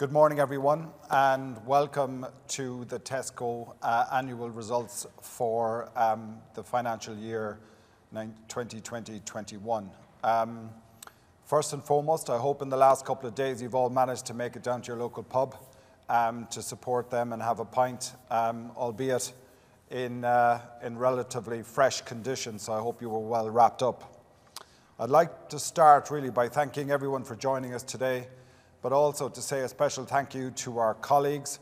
Good morning, everyone, welcome to the Tesco annual results for the financial year 2020, 2021. First and foremost, I hope in the last couple of days you've all managed to make it down to your local pub to support them and have a pint, albeit in relatively fresh conditions. I hope you were well wrapped up. I'd like to start really by thanking everyone for joining us today, also to say a special thank you to our colleagues,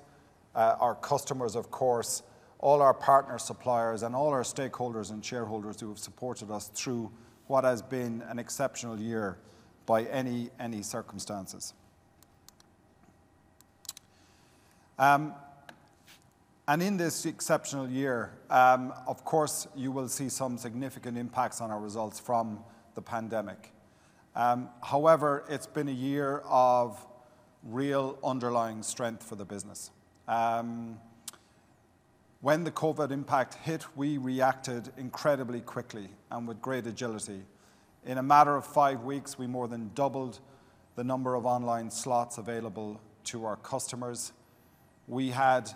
our customers of course, all our partner suppliers, all our stakeholders and shareholders who have supported us through what has been an exceptional year by any circumstances. In this exceptional year, of course, you will see some significant impacts on our results from the pandemic. However, it's been a year of real underlying strength for the business. When the COVID-19 impact hit, we reacted incredibly quickly and with great agility. In a matter of five weeks, we more than doubled the number of online slots available to our customers. We had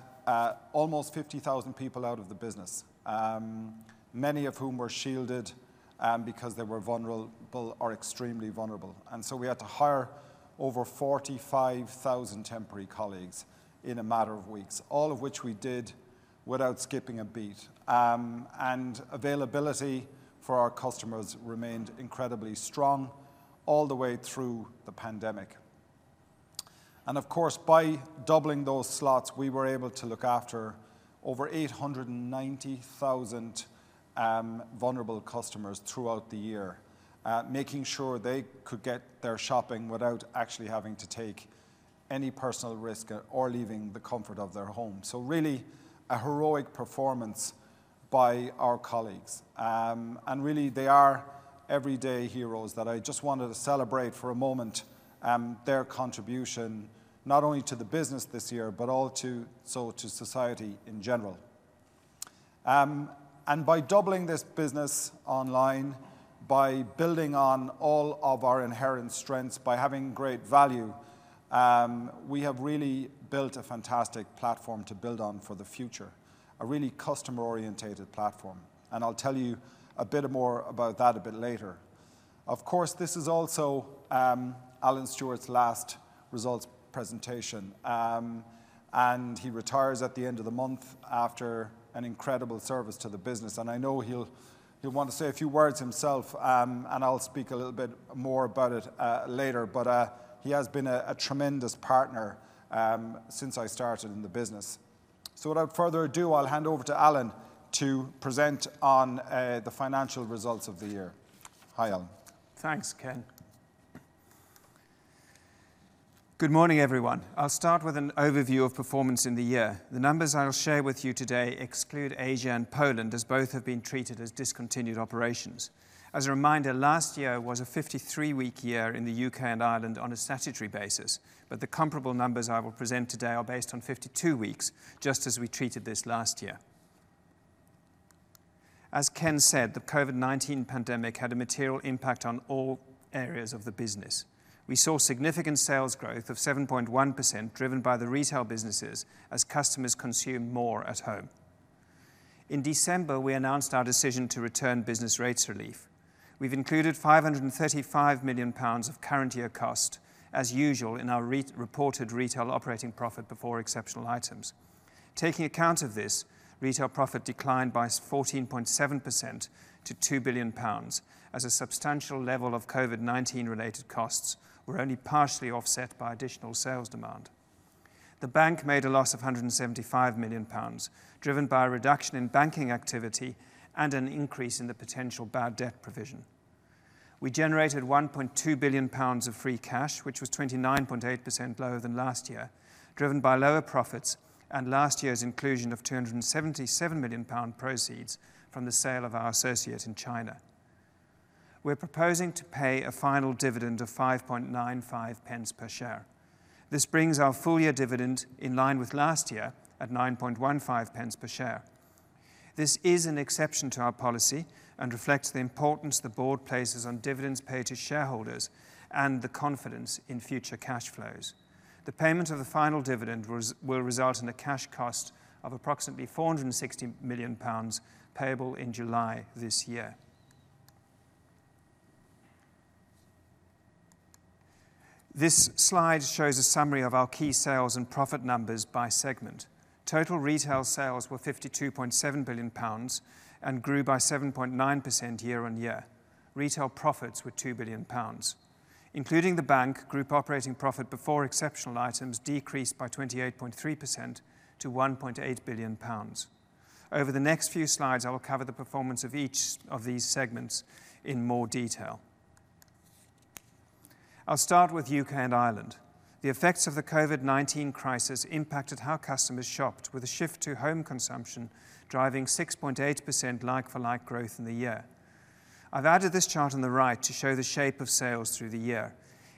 almost 50,000 people out of the business, many of whom were shielded because they were vulnerable or extremely vulnerable. We had to hire over 45,000 temporary colleagues in a matter of weeks, all of which we did without skipping a beat. Availability for our customers remained incredibly strong all the way through the pandemic. By doubling those slots, we were able to look after over 890,000 vulnerable customers throughout the year, making sure they could get their shopping without actually having to take any personal risk or leaving the comfort of their home. Really, a heroic performance by our colleagues. Really, they are everyday heroes that I just wanted to celebrate for a moment their contribution, not only to the business this year, but also to society in general. By doubling this business online, by building on all of our inherent strengths, by having great value, we have really built a fantastic platform to build on for the future, a really customer-orientated platform. I'll tell you a bit more about that a bit later. Of course, this is also Alan Stewart's last results presentation. He retires at the end of the month after an incredible service to the business. I know he'll want to say a few words himself, and I'll speak a little bit more about it later. He has been a tremendous partner since I started in the business. Without further ado, I'll hand over to Alan to present on the financial results of the year. Hi, Alan. Thanks, Ken. Good morning, everyone. I'll start with an overview of performance in the year. The numbers I'll share with you today exclude Asia and Poland, as both have been treated as discontinued operations. As a reminder, last year was a 53-week year in the U.K. and Ireland on a statutory basis. The comparable numbers I will present today are based on 52 weeks, just as we treated this last year. As Ken said, the COVID-19 pandemic had a material impact on all areas of the business. We saw significant sales growth of seven point one percent, driven by the retail businesses as customers consumed more at home. In December, we announced our decision to return business rates relief. We've included 535 million pounds of current year cost as usual in our reported retail operating profit before exceptional items. Taking account of this, retail profit declined by 14.7% to 2 billion pounds as a substantial level of COVID-19 related costs were only partially offset by additional sales demand. The bank made a loss of 175 million pounds, driven by a reduction in banking activity and an increase in the potential bad debt provision. We generated 1.2 billion pounds of free cash, which was 29.8% lower than last year, driven by lower profits and last year's inclusion of 277 million pound proceeds from the sale of our associates in China. We are proposing to pay a final dividend of 5.95 pence Per share. This brings our full year dividend in line with last year at 9.15 pence Per share. This is an exception to our policy and reflects the importance the board places on dividends paid to shareholders and the confidence in future cash flows. The payment of the final dividend will result in a cash cost of approximately 460 million pounds payable in July this year. This slide shows a summary of our key sales and profit numbers by segment. Total retail sales were 52.7 billion pounds and grew by seven point nine percent year-over-year. Retail profits were 2 billion pounds. Including Tesco Bank, group operating profit before exceptional items decreased by 28.3% to 1.8 billion pounds. Over the next few slides, I will cover the performance of each of these segments in more detail. I'll start with U.K. and Ireland. The effects of the COVID-19 crisis impacted how customers shopped with a shift to home consumption, driving six point eight percent like-for-like growth in the year. I've added this chart on the right to show the shape of sales through the year.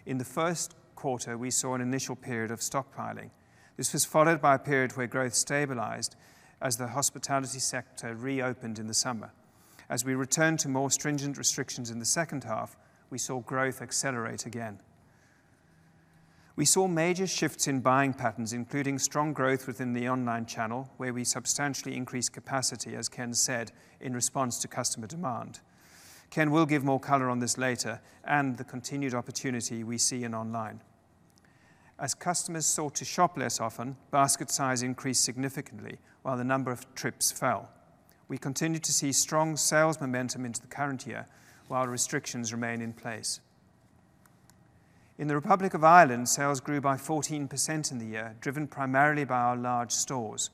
In the first quarter, we saw an initial period of stockpiling. This was followed by a period where growth stabilized as the hospitality sector reopened in the summer. As we return to more stringent restrictions in the second half, we saw growth accelerate again. We saw major shifts in buying patterns, including strong growth within the online channel, where we substantially increased capacity, as Ken said, in response to customer demand. Ken will give more color on this later and the continued opportunity we see in online. Customers sought to shop less often, basket size increased significantly while the number of trips fell. We continued to see strong sales momentum into the current year while restrictions remain in place. In the Republic of Ireland, sales grew by 14% in the year, driven primarily by our large stores.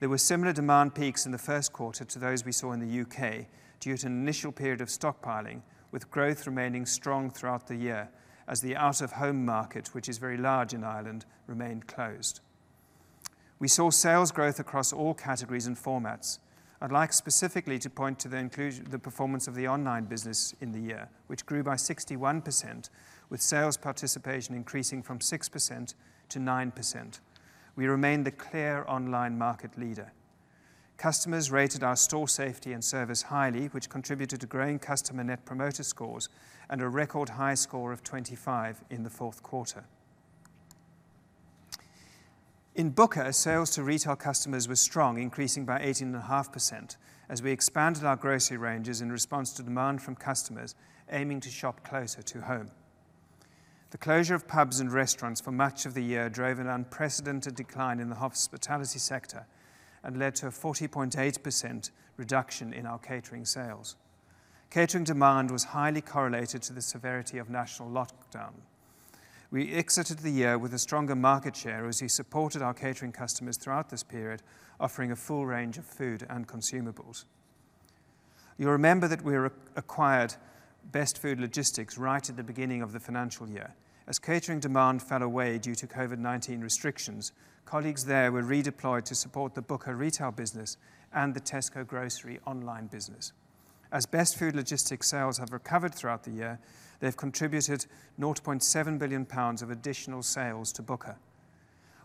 There were similar demand peaks in the first quarter to those we saw in the U.K. due to an initial period of stockpiling, with growth remaining strong throughout the year as the out-of-home market, which is very large in Ireland, remained closed. We saw sales growth across all categories and formats. I'd like specifically to point to the performance of the online business in the year, which grew by 61%, with sales participation increasing from six percent to nine percent. We remain the clear online market leader. Customers rated our store safety and service highly, which contributed to growing customer Net Promoter Scores and a record high score of 25 in the fourth quarter. In Booker, sales to retail customers were strong, increasing by 18.5% as we expanded our grocery ranges in response to demand from customers aiming to shop closer to home. The closure of pubs and restaurants for much of the year drove an unprecedented decline in the hospitality sector and led to a 40.8% reduction in our catering sales. Catering demand was highly correlated to the severity of national lockdown. We exited the year with a stronger market share as we supported our catering customers throughout this period, offering a full range of food and consumables. You'll remember that we acquired Best Food Logistics right at the beginning of the financial year. As catering demand fell away due to COVID-19 restrictions, colleagues there were redeployed to support the Booker retail business and the Tesco grocery online business. As Best Food Logistics sales have recovered throughout the year, they've contributed 0.7 billion pounds of additional sales to Booker.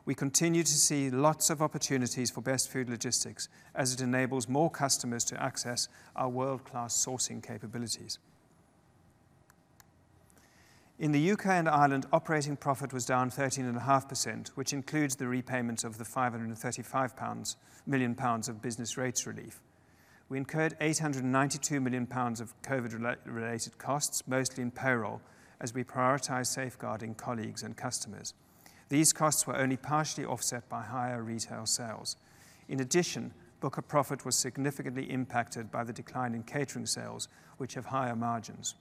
We continue to see lots of opportunities for Best Food Logistics as it enables more customers to access our world-class sourcing capabilities. In the U.K. and Ireland, operating profit was down 13.5%, which includes the repayment of the 535 million pounds of business rates relief. We incurred 892 million pounds of COVID-19-related costs, mostly in payroll, as we prioritized safeguarding colleagues and customers. These costs were only partially offset by higher retail sales. In addition, Booker profit was significantly impacted by the decline in catering sales, which have higher margins.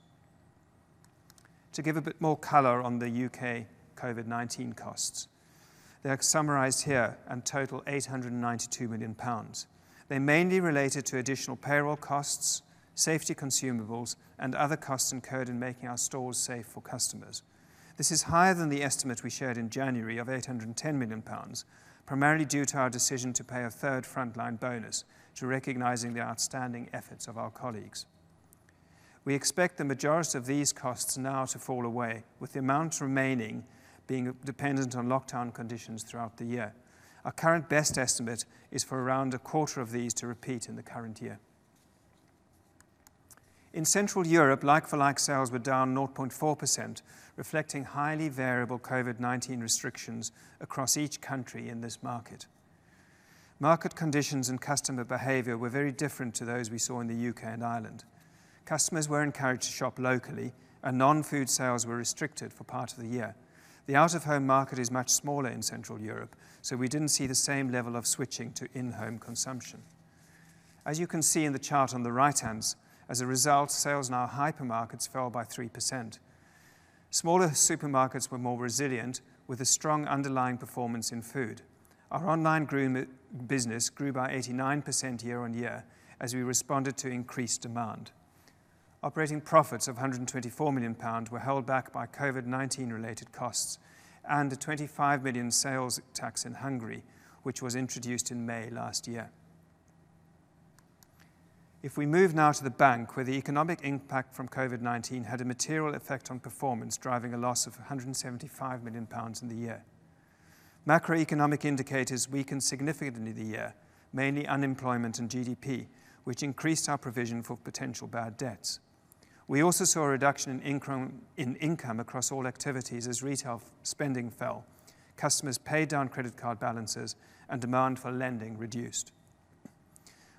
To give a bit more color on the U.K. COVID-19 costs, they are summarized here and total 892 million pounds. They're mainly related to additional payroll costs, safety consumables, and other costs incurred in making our stores safe for customers. This is higher than the estimate we shared in January of 810 million pounds, primarily due to our decision to pay a third frontline bonus to recognizing the outstanding efforts of our colleagues. We expect the majority of these costs now to fall away, with the amount remaining being dependent on lockdown conditions throughout the year. Our current best estimate is for around a quarter of these to repeat in the current year. In Central Europe, like-for-like sales were down zero point four percent, reflecting highly variable COVID-19 restrictions across each country in this market. Market conditions and customer behavior were very different to those we saw in the U.K. and Ireland. Customers were encouraged to shop locally and non-food sales were restricted for part of the year. The out-of-home market is much smaller in Central Europe, so we didn't see the same level of switching to in-home consumption. As you can see in the chart on the right-hand, as a result, sales in our hypermarkets fell by three percent. Smaller supermarkets were more resilient, with a strong underlying performance in food. Our online business grew by 89% year on year as we responded to increased demand. Operating profits of 124 million pounds were held back by COVID-19 related costs and a 25 million sales tax in Hungary, which was introduced in May last year. We move now to Tesco Bank where the economic impact from COVID-19 had a material effect on performance, driving a loss of 175 million pounds in the year. Macroeconomic indicators weakened significantly in the year, mainly unemployment and GDP, which increased our provision for potential bad debts. We also saw a reduction in income across all activities as retail spending fell, customers paid down credit card balances, and demand for lending reduced.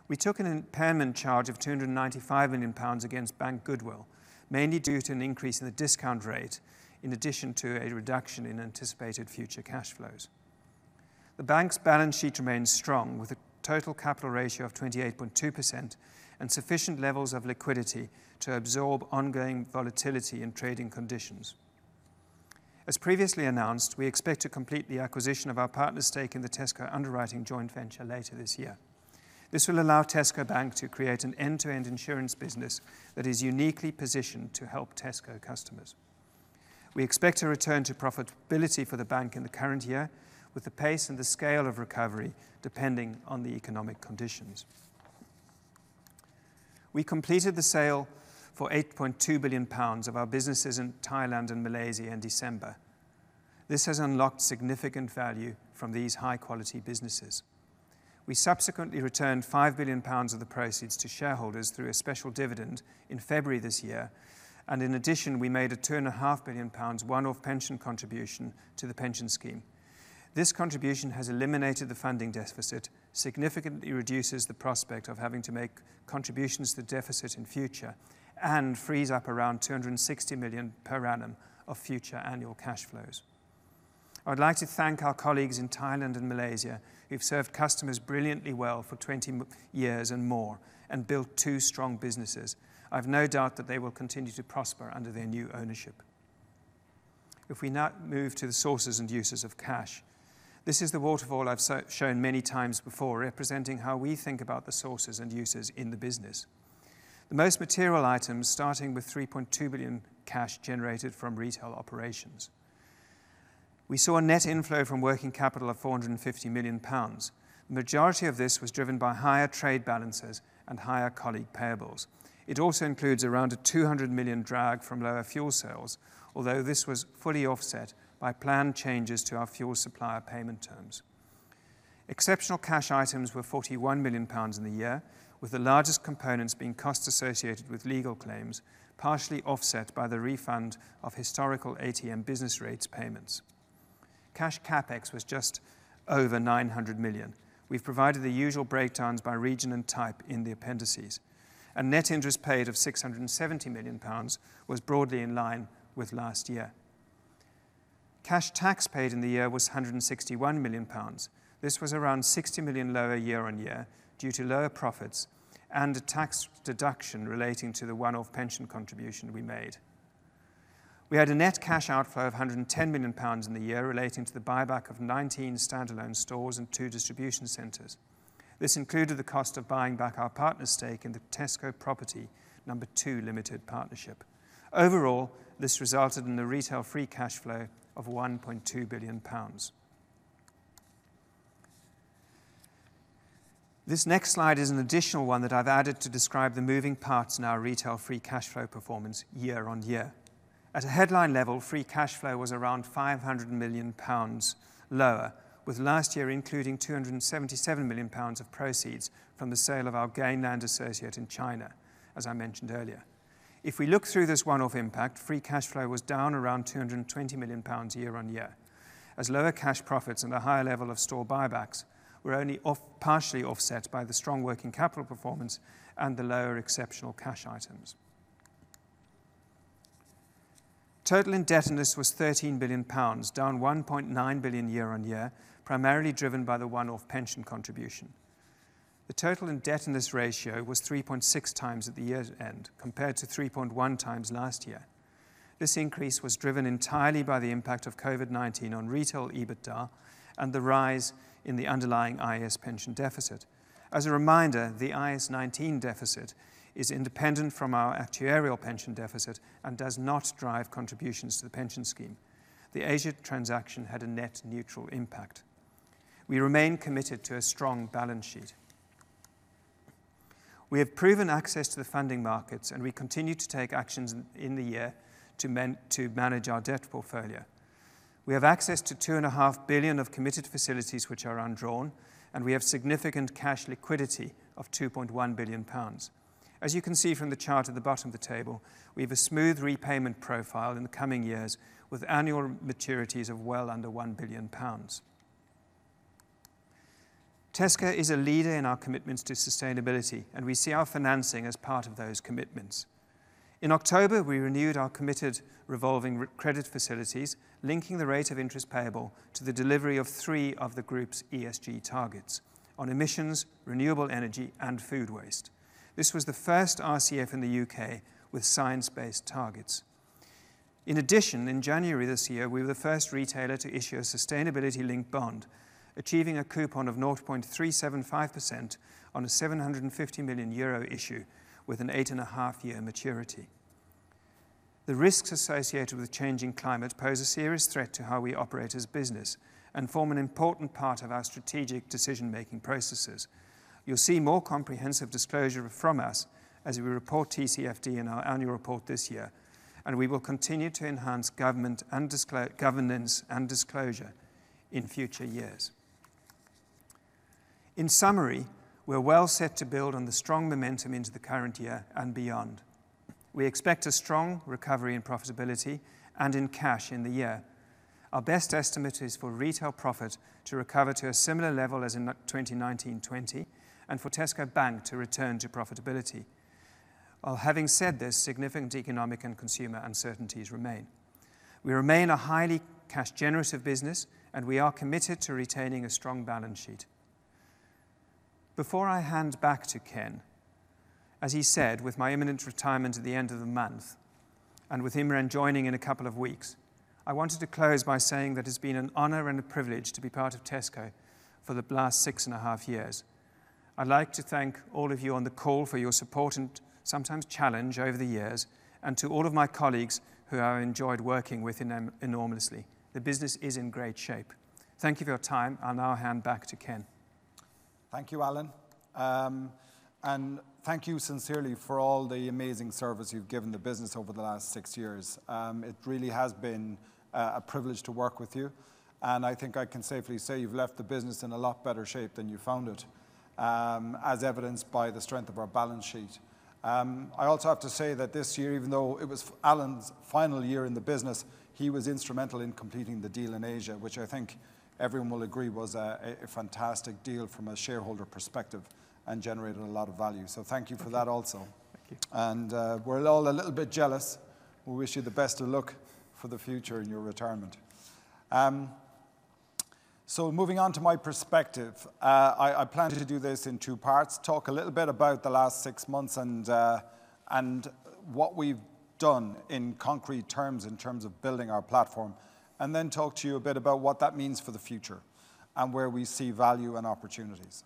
We took an impairment charge of 295 million pounds against Tesco Bank goodwill, mainly due to an increase in the discount rate in addition to a reduction in anticipated future cash flows. The bank's balance sheet remains strong with a total capital ratio of 28.2% and sufficient levels of liquidity to absorb ongoing volatility in trading conditions. As previously announced, we expect to complete the acquisition of our partner's stake in the Tesco Underwriting joint venture later this year. This will allow Tesco Bank to create an end-to-end insurance business that is uniquely positioned to help Tesco customers. We expect a return to profitability for the bank in the current year, with the pace and the scale of recovery depending on the economic conditions. We completed the sale for 8.2 billion pounds of our businesses in Thailand and Malaysia in December. This has unlocked significant value from these high-quality businesses. We subsequently returned 5 billion pounds of the proceeds to shareholders through a special dividend in February this year. In addition, we made a 2.5 billion pounds one-off pension contribution to the pension scheme. This contribution has eliminated the funding deficit, significantly reduces the prospect of having to make contributions to the deficit in future, and frees up around 260 million per annum of future annual cash flows. I would like to thank our colleagues in Thailand and Malaysia, who've served customers brilliantly well for 20 years and more and built two strong businesses. I've no doubt that they will continue to prosper under their new ownership. If we now move to the sources and uses of cash, this is the waterfall I've shown many times before, representing how we think about the sources and uses in the business. The most material items, starting with 3.2 billion cash generated from retail operations. We saw a net inflow from working capital of 450 million pounds. The majority of this was driven by higher trade balances and higher colleague payables. It also includes around a 200 million drag from lower fuel sales, although this was fully offset by planned changes to our fuel supplier payment terms. Exceptional cash items were 41 million pounds in the year, with the largest components being costs associated with legal claims, partially offset by the refund of historical ATM business rates payments. Cash CapEx was just over 900 million. We've provided the usual breakdowns by region and type in the appendices. A net interest paid of 670 million pounds was broadly in line with last year. Cash tax paid in the year was 161 million pounds. This was around 60 million lower year-on-year due to lower profits and a tax deduction relating to the one-off pension contribution we made. We had a net cash outflow of 110 million pounds in the year relating to the buyback of 19 standalone stores and two distribution centers. This included the cost of buying back our partner stake in the Tesco Property (No.2) Limited Partnership. Overall, this resulted in the retail free cash flow of 1.2 billion pounds. This next slide is an additional one that I've added to describe the moving parts in our retail free cash flow performance year on year. At a headline level, free cash flow was around 500 million pounds lower, with last year including 277 million pounds of proceeds from the sale of our Gain Land associate in China, as I mentioned earlier. If we look through this one-off impact, free cash flow was down around 220 million pounds year on year, as lower cash profits and a higher level of store buybacks were only partially offset by the strong working capital performance and the lower exceptional cash items. Total indebtedness was 13 billion pounds, down 1.9 billion year-on-year, primarily driven by the one-off pension contribution. The total indebtedness ratio was three point six times at the year's end, compared to three point one times last year. This increase was driven entirely by the impact of COVID-19 on retail EBITDA and the rise in the underlying IAS pension deficit. As a reminder, the IAS 19 deficit is independent from our actuarial pension deficit and does not drive contributions to the pension scheme. The Asia transaction had a net neutral impact. We remain committed to a strong balance sheet. We have proven access to the funding markets, and we continued to take actions in the year to manage our debt portfolio. We have access to 2.5 billion of committed facilities which are undrawn, and we have significant cash liquidity of 2.1 billion pounds. As you can see from the chart at the bottom of the table, we have a smooth repayment profile in the coming years with annual maturities of well under 1 billion pounds. Tesco is a leader in our commitments to sustainability, and we see our financing as part of those commitments. In October, we renewed our committed revolving credit facilities, linking the rate of interest payable to the delivery of three of the group's ESG targets on emissions, renewable energy, and food waste. This was the first RCF in the U.K. with science-based targets. In addition, in January this year, we were the first retailer to issue a sustainability-linked bond, achieving a coupon of zero point three seven five percent on a 750 million euro issue with an eight-and-a-half year maturity. The risks associated with the changing climate pose a serious threat to how we operate as a business and form an important part of our strategic decision-making processes. You'll see more comprehensive disclosure from us as we report TCFD in our annual report this year. We will continue to enhance governance and disclosure in future years. In summary, we're well set to build on the strong momentum into the current year and beyond. We expect a strong recovery in profitability and in cash in the year. Our best estimate is for retail profit to recover to a similar level as in 2019 to 2020 and for Tesco Bank to return to profitability. Having said this, significant economic and consumer uncertainties remain. We remain a highly cash-generative business, and we are committed to retaining a strong balance sheet. Before I hand back to Ken, as he said, with my imminent retirement at the end of the month and with Imran joining in a couple of weeks, I wanted to close by saying that it's been an honor and a privilege to be part of Tesco for the last six and a half years. I'd like to thank all of you on the call for your support and sometimes challenge over the years and to all of my colleagues who I enjoyed working with enormously. The business is in great shape. Thank you for your time. I'll now hand back to Ken. Thank you, Alan. Thank you sincerely for all the amazing service you've given the business over the last six years. It really has been a privilege to work with you, and I think I can safely say you've left the business in a lot better shape than you found it, as evidenced by the strength of our balance sheet. I also have to say that this year, even though it was Alan's final year in the business, he was instrumental in completing the deal in Asia, which I think everyone will agree was a fantastic deal from a shareholder perspective and generated a lot of value. Thank you for that also. Thank you. We're all a little bit jealous. We wish you the best of luck for the future in your retirement. Moving on to my perspective. I plan to do this in two parts, talk a little bit about the last six months and what we've done in concrete terms, in terms of building our platform, and then talk to you a bit about what that means for the future and where we see value and opportunities.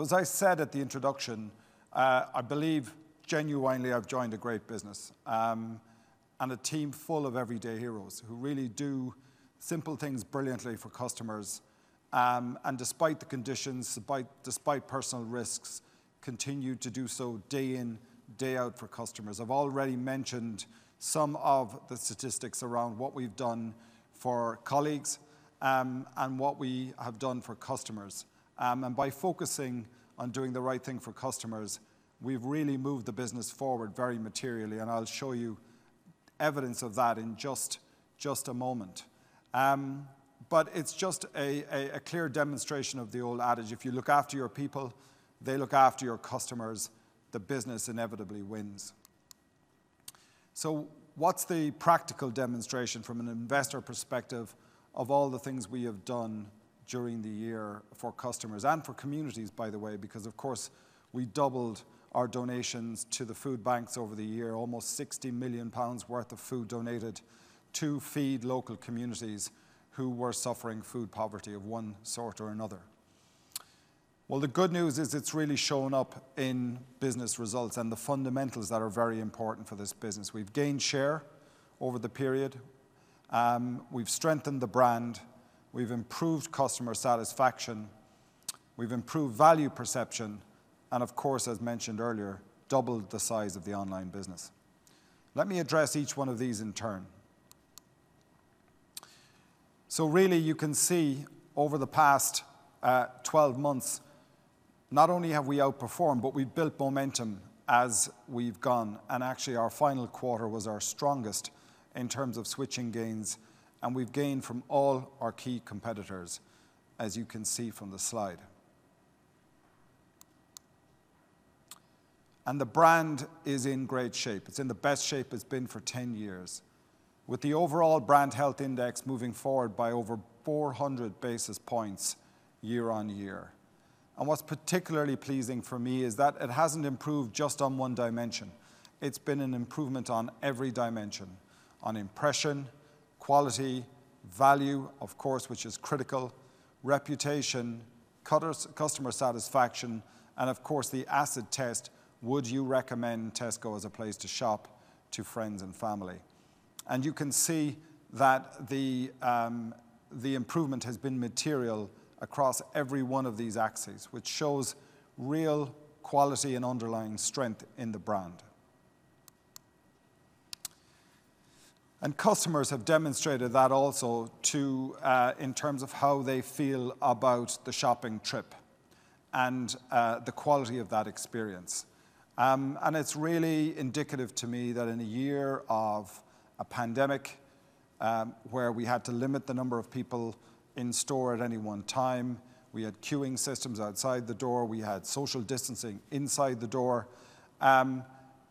As I said at the introduction, I believe genuinely I've joined a great business, and a team full of everyday heroes who really do simple things brilliantly for customers. Despite the conditions, despite personal risks, continue to do so day in, day out for customers. I've already mentioned some of the statistics around what we've done for colleagues, and what we have done for customers. By focusing on doing the right thing for customers, we've really moved the business forward very materially, and I'll show you evidence of that in just a moment. It's just a clear demonstration of the old adage, if you look after your people, they look after your customers, the business inevitably wins. What's the practical demonstration from an investor perspective of all the things we have done during the year for customers and for communities, by the way, because of course, we doubled our donations to the food banks over the year. Almost 60 million pounds worth of food donated to feed local communities who were suffering food poverty of one sort or another. The good news is it's really shown up in business results and the fundamentals that are very important for this business. We've gained share over the period. We've strengthened the brand. We've improved customer satisfaction. We've improved value perception, and of course, as mentioned earlier, doubled the size of the online business. Let me address each one of these in turn. Really you can see over the past 12 months, not only have we outperformed, but we've built momentum as we've gone, and actually our final quarter was our strongest in terms of switching gains, and we've gained from all our key competitors, as you can see from the slide. The brand is in great shape. It's in the best shape it's been for 10 years, with the overall brand health index moving forward by over 400 basis points year-on-year. What's particularly pleasing for me is that it hasn't improved just on one dimension. It's been an improvement on every dimension. On impression, quality, value, of course, which is critical, reputation, customer satisfaction, and of course, the acid test, would you recommend Tesco as a place to shop to friends and family? You can see that the improvement has been material across every one of these axes, which shows real quality and underlying strength in the brand. Customers have demonstrated that also too, in terms of how they feel about the shopping trip and the quality of that experience. It's really indicative to me that in a year of a pandemic, where we had to limit the number of people in store at any one time, we had queuing systems outside the door, we had social distancing inside the door.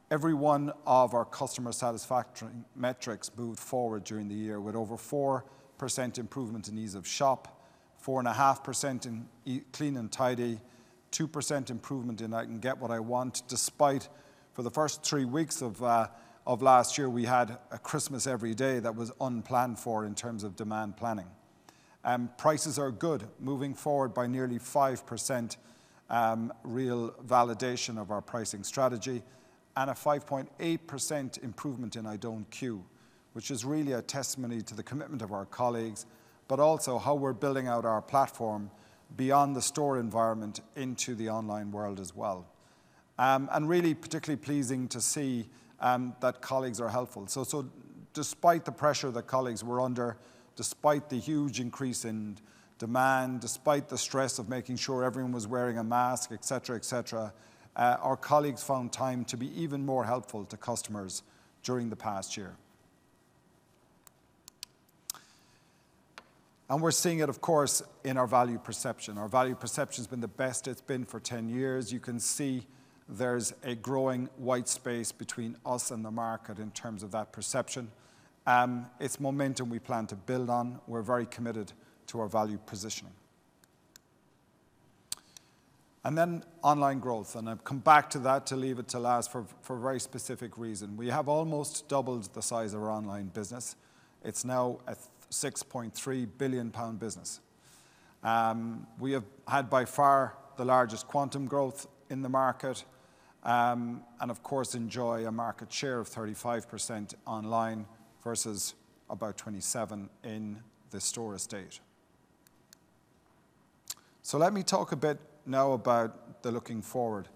Every one of our customer satisfaction metrics moved forward during the year with over four percent improvement in ease of shop, four and a half percent in clean and tidy, two percent improvement in I can get what I want, despite for the first three weeks of last year, we had a Christmas every day that was unplanned for in terms of demand planning. Prices are good, moving forward by nearly five percent, real validation of our pricing strategy. A five point eight percent improvement in I don't queue, which is really a testimony to the commitment of our colleagues, but also how we're building out our platform beyond the store environment into the online world as well. Really particularly pleasing to see that colleagues are helpful. Despite the pressure that colleagues were under, despite the huge increase in demand, despite the stress of making sure everyone was wearing a mask, et cetera. Our colleagues found time to be even more helpful to customers during the past year. We're seeing it, of course, in our value perception. Our value perception's been the best it's been for 10 years. You can see there's a growing white space between us and the market in terms of that perception. It's momentum we plan to build on. We're very committed to our value positioning. Then online growth, and I've come back to that to leave it to last for a very specific reason. We have almost doubled the size of our online business. It's now a 6.3 billion pound business. We have had by far the largest quantum growth in the market. Of course, enjoy a market share of 35% online versus about 27% in the store estate. Let me talk a bit now about the looking forward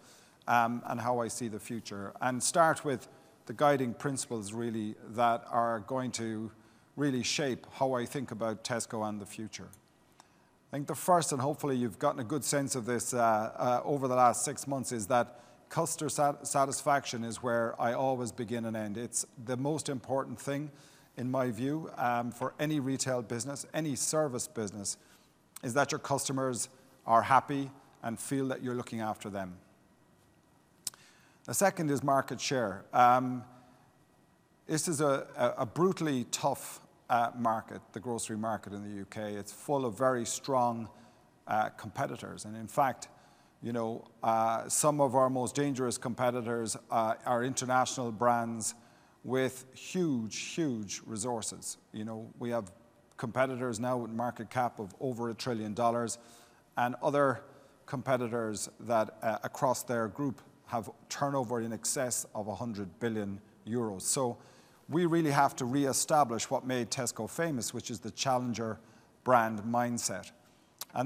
and how I see the future, and start with the guiding principles really that are going to really shape how I think about Tesco and the future. I think the first, and hopefully you've gotten a good sense of this over the last six months, is that customer satisfaction is where I always begin and end. It's the most important thing in my view for any retail business, any service business, is that your customers are happy and feel that you're looking after them. The second is market share. This is a brutally tough market, the grocery market in the U.K. It's full of very strong competitors and, in fact, some of our most dangerous competitors are international brands with huge resources. We have competitors now with market cap of over GBP 1 trillion and other competitors that across their group have turnover in excess of 100 billion euros. We really have to reestablish what made Tesco famous, which is the challenger brand mindset.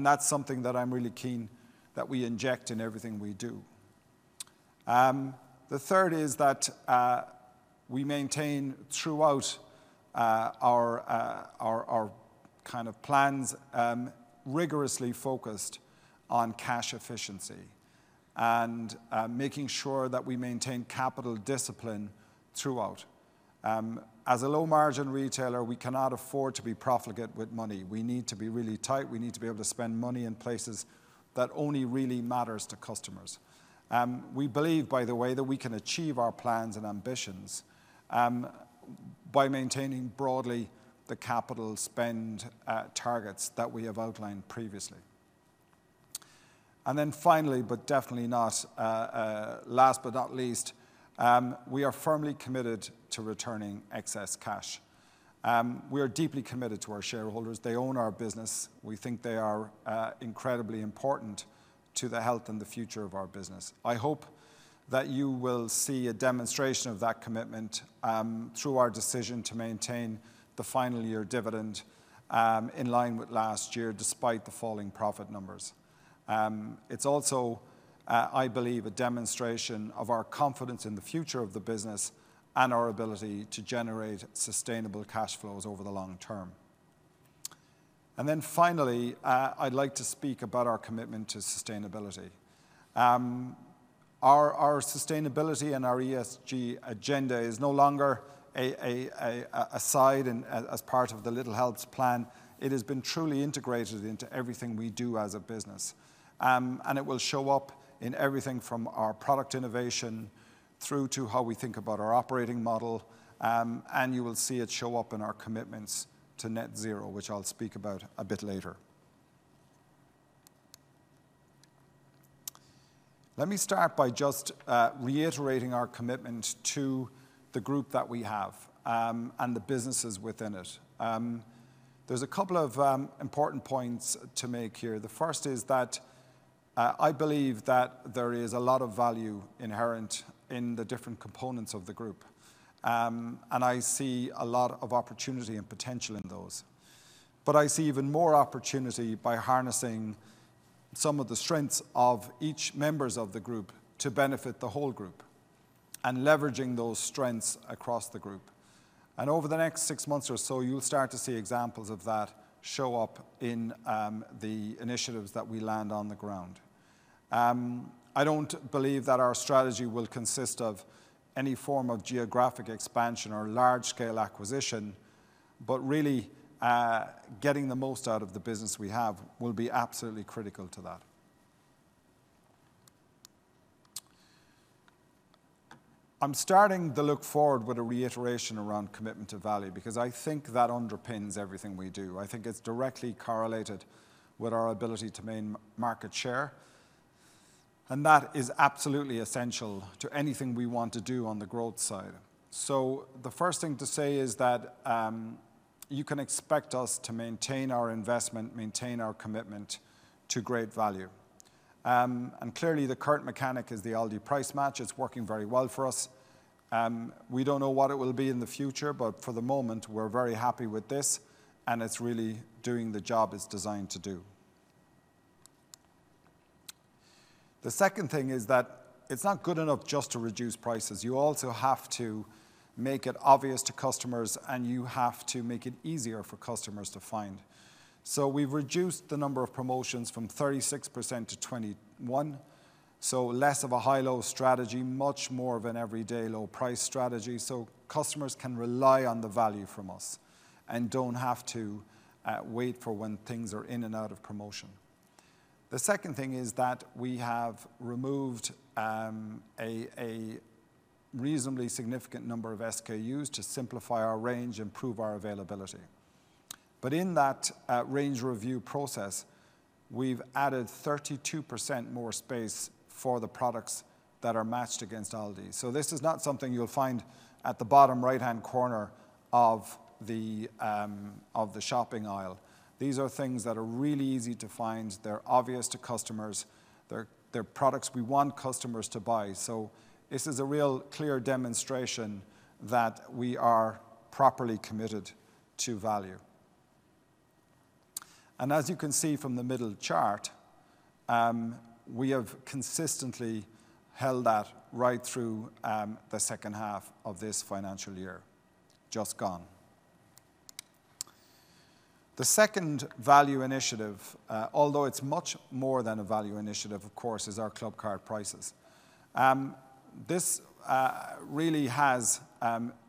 That's something that I'm really keen that we inject in everything we do. The third is that we maintain throughout our kind of plans rigorously focused on cash efficiency and making sure that we maintain capital discipline throughout. As a low-margin retailer, we cannot afford to be profligate with money. We need to be really tight. We need to be able to spend money in places that only really matters to customers. We believe, by the way, that we can achieve our plans and ambitions by maintaining broadly the capital spend targets that we have outlined previously. Finally, but definitely not last but not least, we are firmly committed to returning excess cash. We are deeply committed to our shareholders. They own our business. We think they are incredibly important to the health and the future of our business. I hope that you will see a demonstration of that commitment through our decision to maintain the final year dividend in line with last year, despite the falling profit numbers. It's also, I believe, a demonstration of our confidence in the future of the business and our ability to generate sustainable cash flows over the long term. Finally, I'd like to speak about our commitment to sustainability. Our sustainability and our ESG agenda is no longer aside and as part of the Little Helps Plan, it has been truly integrated into everything we do as a business. It will show up in everything from our product innovation through to how we think about our operating model. You will see it show up in our commitments to net zero, which I'll speak about a bit later. Let me start by just reiterating our commitment to the group that we have and the businesses within it. There's a couple of important points to make here. The first is that I believe that there is a lot of value inherent in the different components of the group. I see a lot of opportunity and potential in those. I see even more opportunity by harnessing some of the strengths of each members of the group to benefit the whole group and leveraging those strengths across the group. Over the next six months or so, you'll start to see examples of that show up in the initiatives that we land on the ground. I don't believe that our strategy will consist of any form of geographic expansion or large-scale acquisition, but really getting the most out of the business we have will be absolutely critical to that. I'm starting the look forward with a reiteration around commitment to value because I think that underpins everything we do. I think it's directly correlated with our ability to main market share, and that is absolutely essential to anything we want to do on the growth side. The first thing to say is that you can expect us to maintain our investment, maintain our commitment to great value. Clearly the current mechanic is the Aldi Price Match. It's working very well for us. We don't know what it will be in the future, but for the moment we're very happy with this and it's really doing the job it's designed to do. The second thing is that it's not good enough just to reduce prices. You also have to make it obvious to customers and you have to make it easier for customers to find. We've reduced the number of promotions from 36% to 21%. Less of a high-low strategy, much more of an everyday low price strategy so customers can rely on the value from us and don't have to wait for when things are in and out of promotion. The second thing is that we have removed a reasonably significant number of SKUs to simplify our range, improve our availability. In that range review process, we've added 32% more space for the products that are matched against Aldi. This is not something you'll find at the bottom right-hand corner of the shopping aisle. These are things that are really easy to find. They're obvious to customers. They're products we want customers to buy. This is a real clear demonstration that we are properly committed to value. As you can see from the middle chart, we have consistently held that right through the second half of this financial year just gone. The second value initiative, although it's much more than a value initiative, of course, is our Clubcard Prices. This really has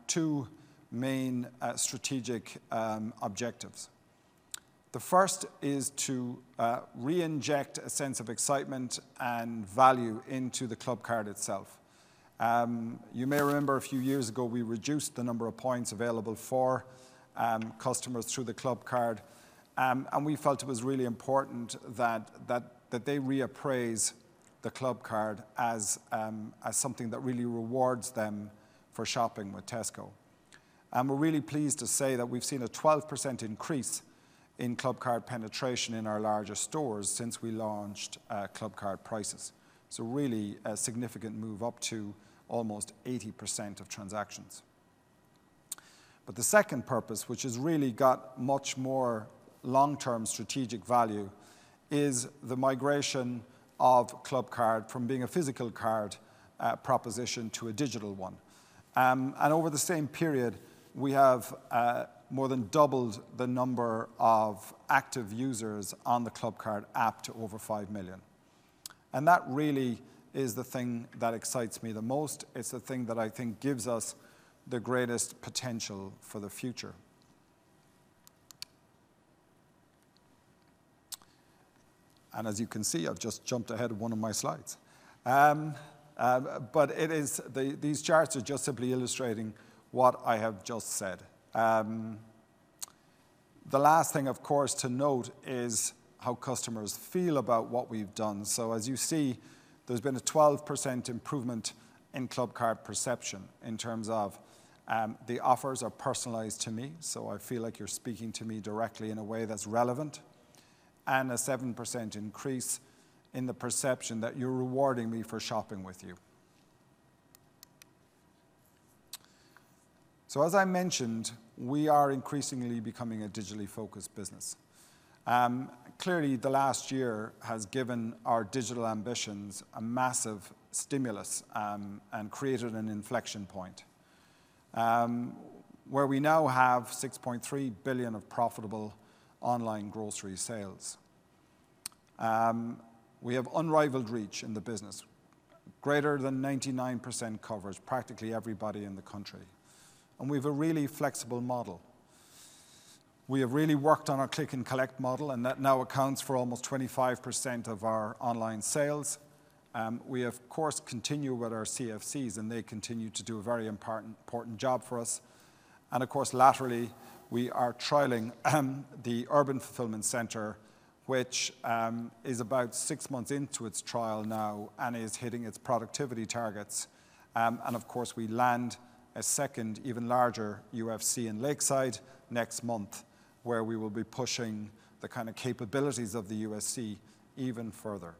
two main strategic objectives. The first is to re-inject a sense of excitement and value into the Clubcard itself. You may remember a few years ago, we reduced the number of points available for customers through the Clubcard. We felt it was really important that they reappraise the Clubcard as something that really rewards them for shopping with Tesco. We're really pleased to say that we've seen a 12% increase in Clubcard penetration in our larger stores since we launched Clubcard Prices. Really, a significant move up to almost 80% of transactions. The second purpose, which has really got much more long-term strategic value, is the migration of Clubcard from being a physical card proposition to a digital one. Over the same period, we have more than doubled the number of active users on the Clubcard app to over 5 million. That really is the thing that excites me the most. It's the thing that I think gives us the greatest potential for the future. As you can see, I've just jumped ahead of one of my slides. These charts are just simply illustrating what I have just said. The last thing, of course, to note is how customers feel about what we've done. As you see, there's been a 12% improvement in Clubcard perception in terms of, "The offers are personalized to me, so I feel like you're speaking to me directly in a way that's relevant." A seven percent increase in the perception that, "You're rewarding me for shopping with you." As I mentioned, we are increasingly becoming a digitally focused business. Clearly, the last year has given our digital ambitions a massive stimulus and created an inflection point where we now have 6.3 billion of profitable online grocery sales. We have unrivaled reach in the business, greater than 99% coverage, practically everybody in the country. We've a really flexible model. We have really worked on our Click+Collect model, and that now accounts for almost 25% of our online sales. We, of course, continue with our CFCs, and they continue to do a very important job for us. Of course, laterally, we are trialing the Urban Fulfilment Centre, which is about six months into its trial now and is hitting its productivity targets. Of course, we land a second even larger UFC in Lakeside next month, where we will be pushing the kind of capabilities of the UFC even further.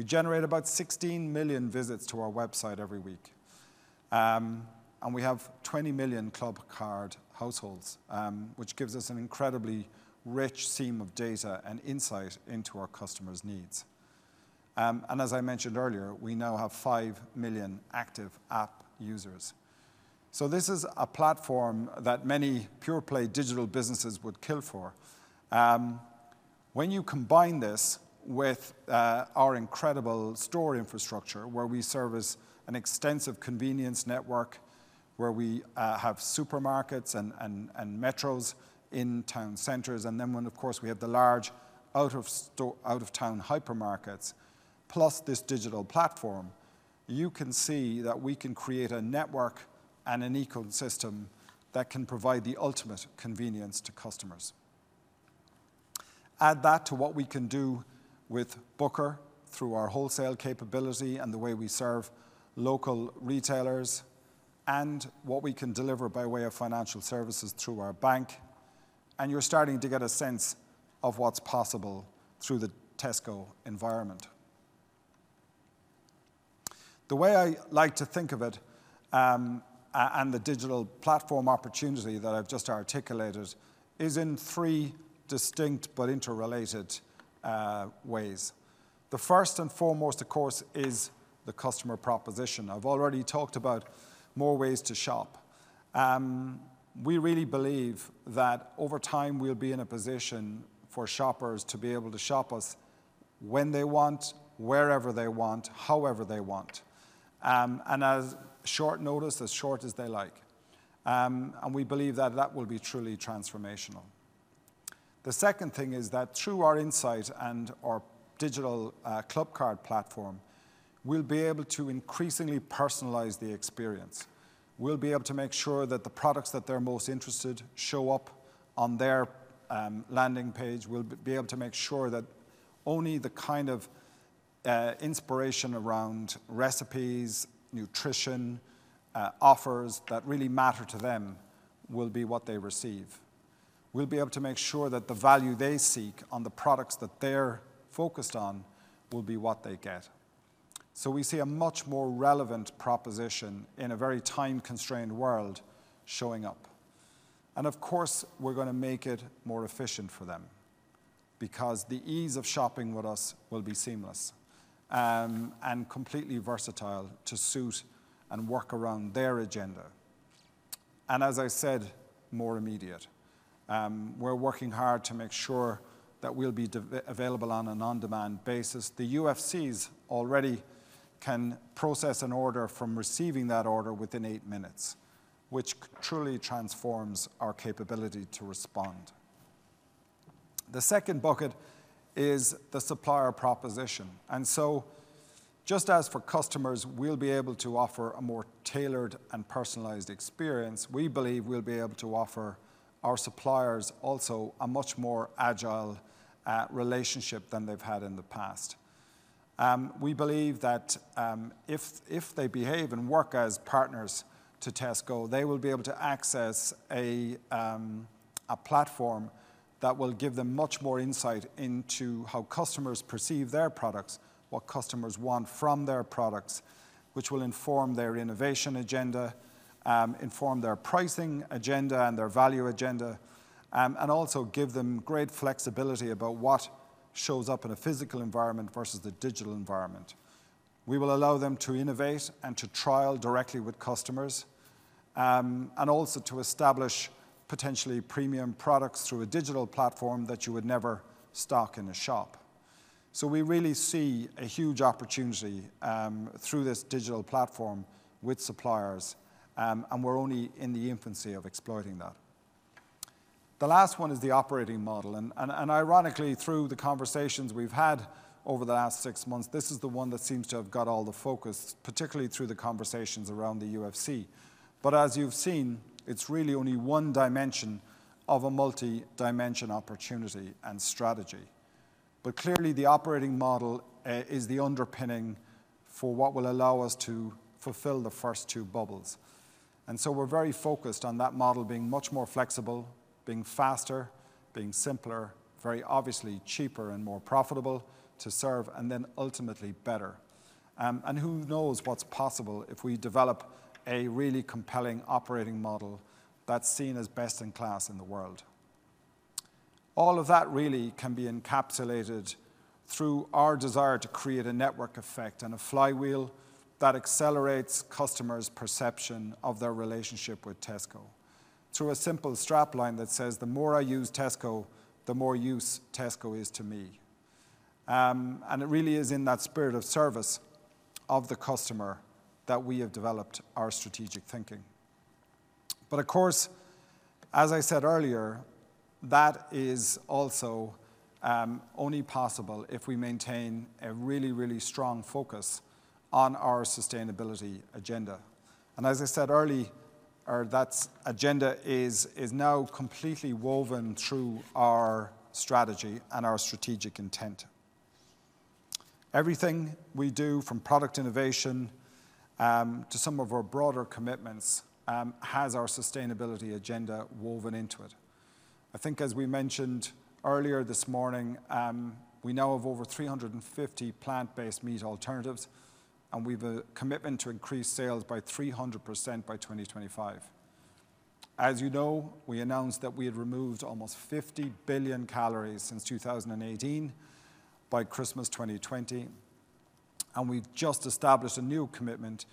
We generate about 16 million visits to our website every week. We have 20 million Clubcard households, which gives us an incredibly rich seam of data and insight into our customers' needs. As I mentioned earlier, we now have 5 million active app users. This is a platform that many pure-play digital businesses would kill for. You combine this with our incredible store infrastructure where we serve as an extensive convenience network, where we have supermarkets and Metros in town centers, and then when, of course, we have the large out-of-town hypermarkets, plus this digital platform, you can see that we can create a network and an ecosystem that can provide the ultimate convenience to customers. Add that to what we can do with Booker through our wholesale capability and the way we serve local retailers and what we can deliver by way of financial services through our bank, and you're starting to get a sense of what's possible through the Tesco environment. The way I like to think of it and the digital platform opportunity that I've just articulated is in three distinct but interrelated ways. The first and foremost, of course, is the customer proposition. I've already talked about more ways to shop. We really believe that over time we'll be in a position for shoppers to be able to shop us when they want, wherever they want, however they want, and as short notice, as short as they like. We believe that that will be truly transformational. The second thing is that through our insight and our digital Clubcard platform, we'll be able to increasingly personalize the experience. We'll be able to make sure that the products that they're most interested show up on their landing page. We'll be able to make sure that only the kind of inspiration around recipes, nutrition, offers that really matter to them will be what they receive. We'll be able to make sure that the value they seek on the products that they're focused on will be what they get. We see a much more relevant proposition in a very time-constrained world showing up. Of course, we're going to make it more efficient for them because the ease of shopping with us will be seamless and completely versatile to suit and work around their agenda, and as I said, more immediate. We're working hard to make sure that we'll be available on an on-demand basis. The UFCs already can process an order from receiving that order within eight minutes, which truly transforms our capability to respond. The second bucket is the supplier proposition. Just as for customers, we'll be able to offer a more tailored and personalized experience. We believe we'll be able to offer our suppliers also a much more agile relationship than they've had in the past. We believe that if they behave and work as partners to Tesco, they will be able to access a platform that will give them much more insight into how customers perceive their products, what customers want from their products, which will inform their innovation agenda, inform their pricing agenda and their value agenda, and also give them great flexibility about what shows up in a physical environment versus the digital environment. We will allow them to innovate and to trial directly with customers, and also to establish potentially premium products through a digital platform that you would never stock in a shop. We really see a huge opportunity through this digital platform with suppliers, and we're only in the infancy of exploiting that. The last one is the operating model. Ironically, through the conversations we've had over the last six months, this is the one that seems to have got all the focus, particularly through the conversations around the UFC. As you've seen, it's really only one dimension of a multi-dimension opportunity and strategy. Clearly, the operating model is the underpinning for what will allow us to fulfill the first two bubbles. We're very focused on that model being much more flexible, being faster, being simpler, very obviously cheaper and more profitable to serve, and then ultimately better. Who knows what's possible if we develop a really compelling operating model that's seen as best in class in the world. All of that really can be encapsulated through our desire to create a network effect and a flywheel that accelerates customers' perception of their relationship with Tesco through a simple strapline that says, "The more I use Tesco, the more use Tesco is to me." It really is in that spirit of service of the customer that we have developed our strategic thinking. Of course, as I said earlier, that is also only possible if we maintain a really, really strong focus on our sustainability agenda. As I said earlier, that agenda is now completely woven through our strategy and our strategic intent. Everything we do, from product innovation to some of our broader commitments has our sustainability agenda woven into it. I think as we mentioned earlier this morning, we now have over 350 plant-based meat alternatives, and we've a commitment to increase sales by 300% by 2025. As you know, we announced that we had removed almost 50 billion calories since 2018 by Christmas 2020, and we've just established a new commitment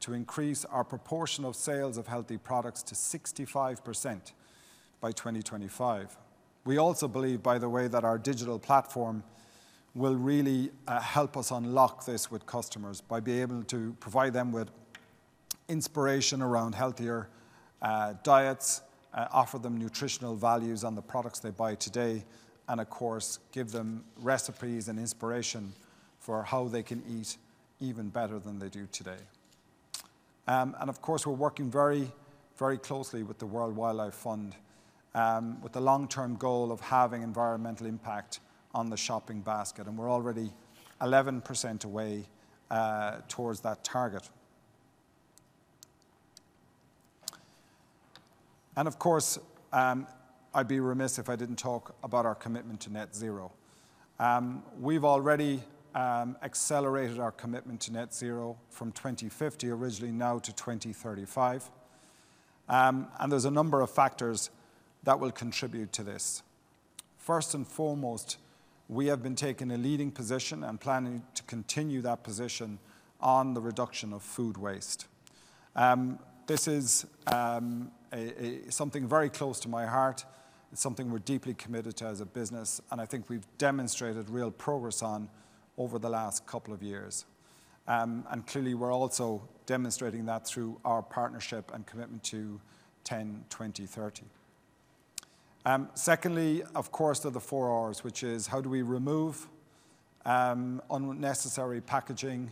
to increase our proportion of sales of healthy products to 65% by 2025. We also believe, by the way, that our digital platform will really help us unlock this with customers by being able to provide them with inspiration around healthier diets, offer them nutritional values on the products they buy today, and of course, give them recipes and inspiration for how they can eat even better than they do today. Of course, we're working very closely with the World Wildlife Fund, with the long-term goal of halving environmental impact on the shopping basket, and we're already 11% away towards that target. Of course, I'd be remiss if I didn't talk about our commitment to net zero. We've already accelerated our commitment to net zero from 2050 originally now to 2035, and there's a number of factors that will contribute to this. First and foremost, we have been taking a leading position and planning to continue that position on the reduction of food waste. This is something very close to my heart. It's something we're deeply committed to as a business, and I think we've demonstrated real progress on over the last couple of years. Clearly, we're also demonstrating that through our partnership and commitment to 10, 20, 30. Secondly, of course, are the four Rs, which is how do we remove unnecessary packaging,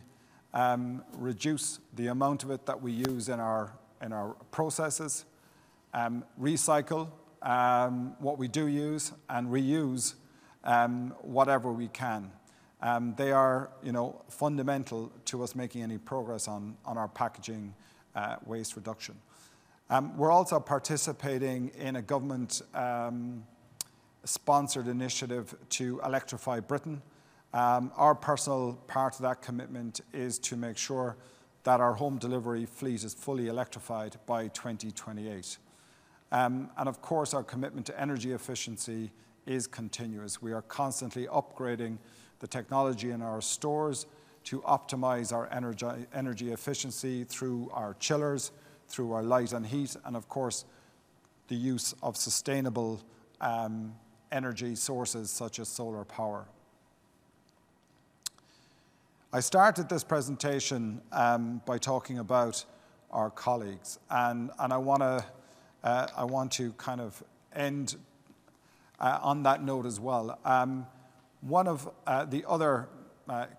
reduce the amount of it that we use in our processes, recycle what we do use, and reuse whatever we can. They are fundamental to us making any progress on our packaging waste reduction. We're also participating in a government-sponsored initiative to electrify Britain. Our personal part of that commitment is to make sure that our home delivery fleet is fully electrified by 2028. Of course, our commitment to energy efficiency is continuous. We are constantly upgrading the technology in our stores to optimize our energy efficiency through our chillers, through our light and heat, and of course, the use of sustainable energy sources such as solar power. I started this presentation by talking about our colleagues, I want to kind of end on that note as well. One of the other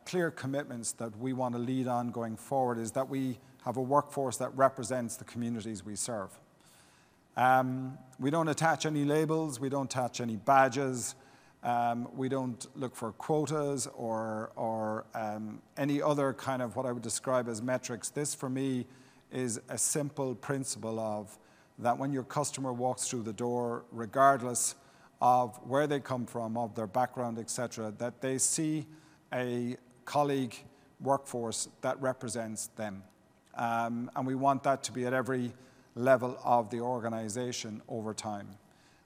clear commitments that we want to lead on going forward is that we have a workforce that represents the communities we serve. We don't attach any labels, we don't attach any badges, we don't look for quotas or any other kind of what I would describe as metrics. This, for me, is a simple principle of that when your customer walks through the door, regardless of where they come from, of their background, et cetera, that they see a colleague workforce that represents them. And we want that to be at every level of the organization over time.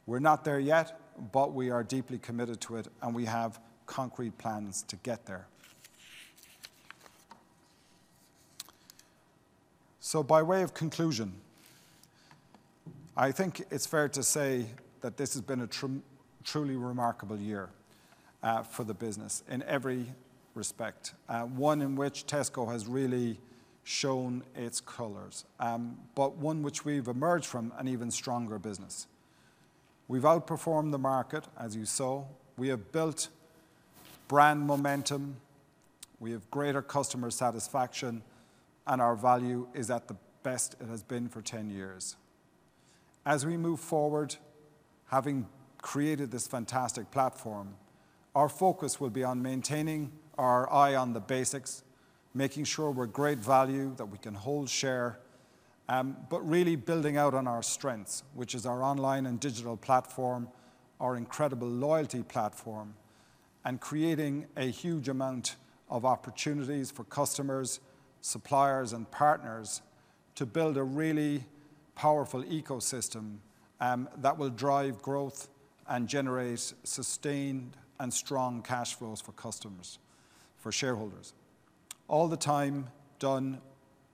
We're not there yet, but we are deeply committed to it, and we have concrete plans to get there. By way of conclusion, I think it's fair to say that this has been a truly remarkable year for the business in every respect. One in which Tesco has really shown its colors, but one which we've emerged from an even stronger business. We've outperformed the market, as you saw. We have built brand momentum, we have greater customer satisfaction, and our value is at the best it has been for 10 years. As we move forward, having created this fantastic platform, our focus will be on maintaining our eye on the basics, making sure we're great value, that we can hold share, but really building out on our strengths, which is our online and digital platform, our incredible loyalty platform, and creating a huge amount of opportunities for customers, suppliers, and partners to build a really powerful ecosystem that will drive growth and generate sustained and strong cash flows for customers, for shareholders. All the time done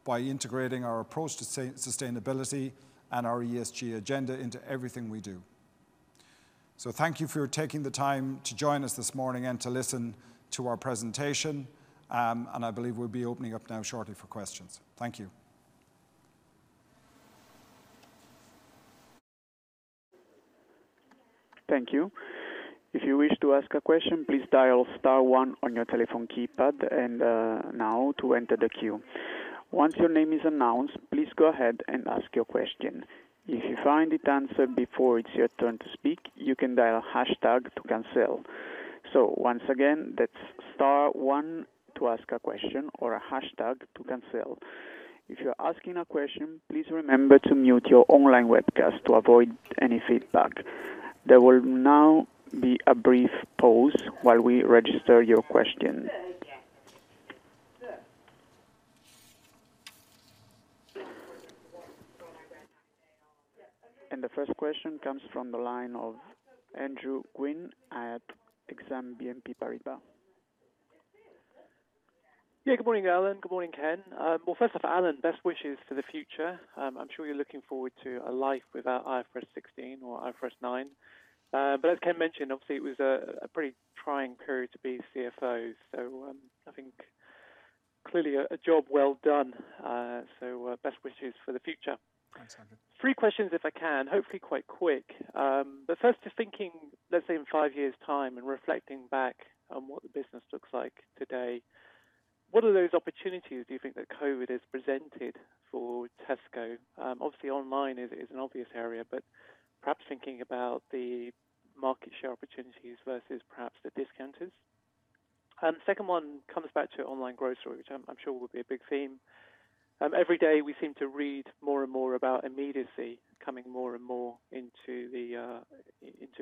by integrating our approach to sustainability and our ESG agenda into everything we do. Thank you for taking the time to join us this morning and to listen to our presentation, and I believe we'll be opening up now shortly for questions. Thank you. The first question comes from the line of Andrew Gwynn at Exane BNP Paribas. Good morning, Alan. Good morning, Ken. First off, Alan, best wishes for the future. I am sure you are looking forward to a life without IFRS 16 or IFRS 9. As Ken mentioned, obviously, it was a pretty trying period to be CFO. I think clearly a job well done. Best wishes for the future. Thanks, Andrew. Three questions if I can, hopefully quite quick. First, just thinking, let's say in five years' time and reflecting back on what the business looks like today, what are those opportunities do you think that COVID has presented for Tesco? Obviously online is an obvious area, perhaps thinking about the market share opportunities versus perhaps the discounters. Second one comes back to online grocery, which I'm sure will be a big theme. Every day, we seem to read more and more about immediacy coming more and more into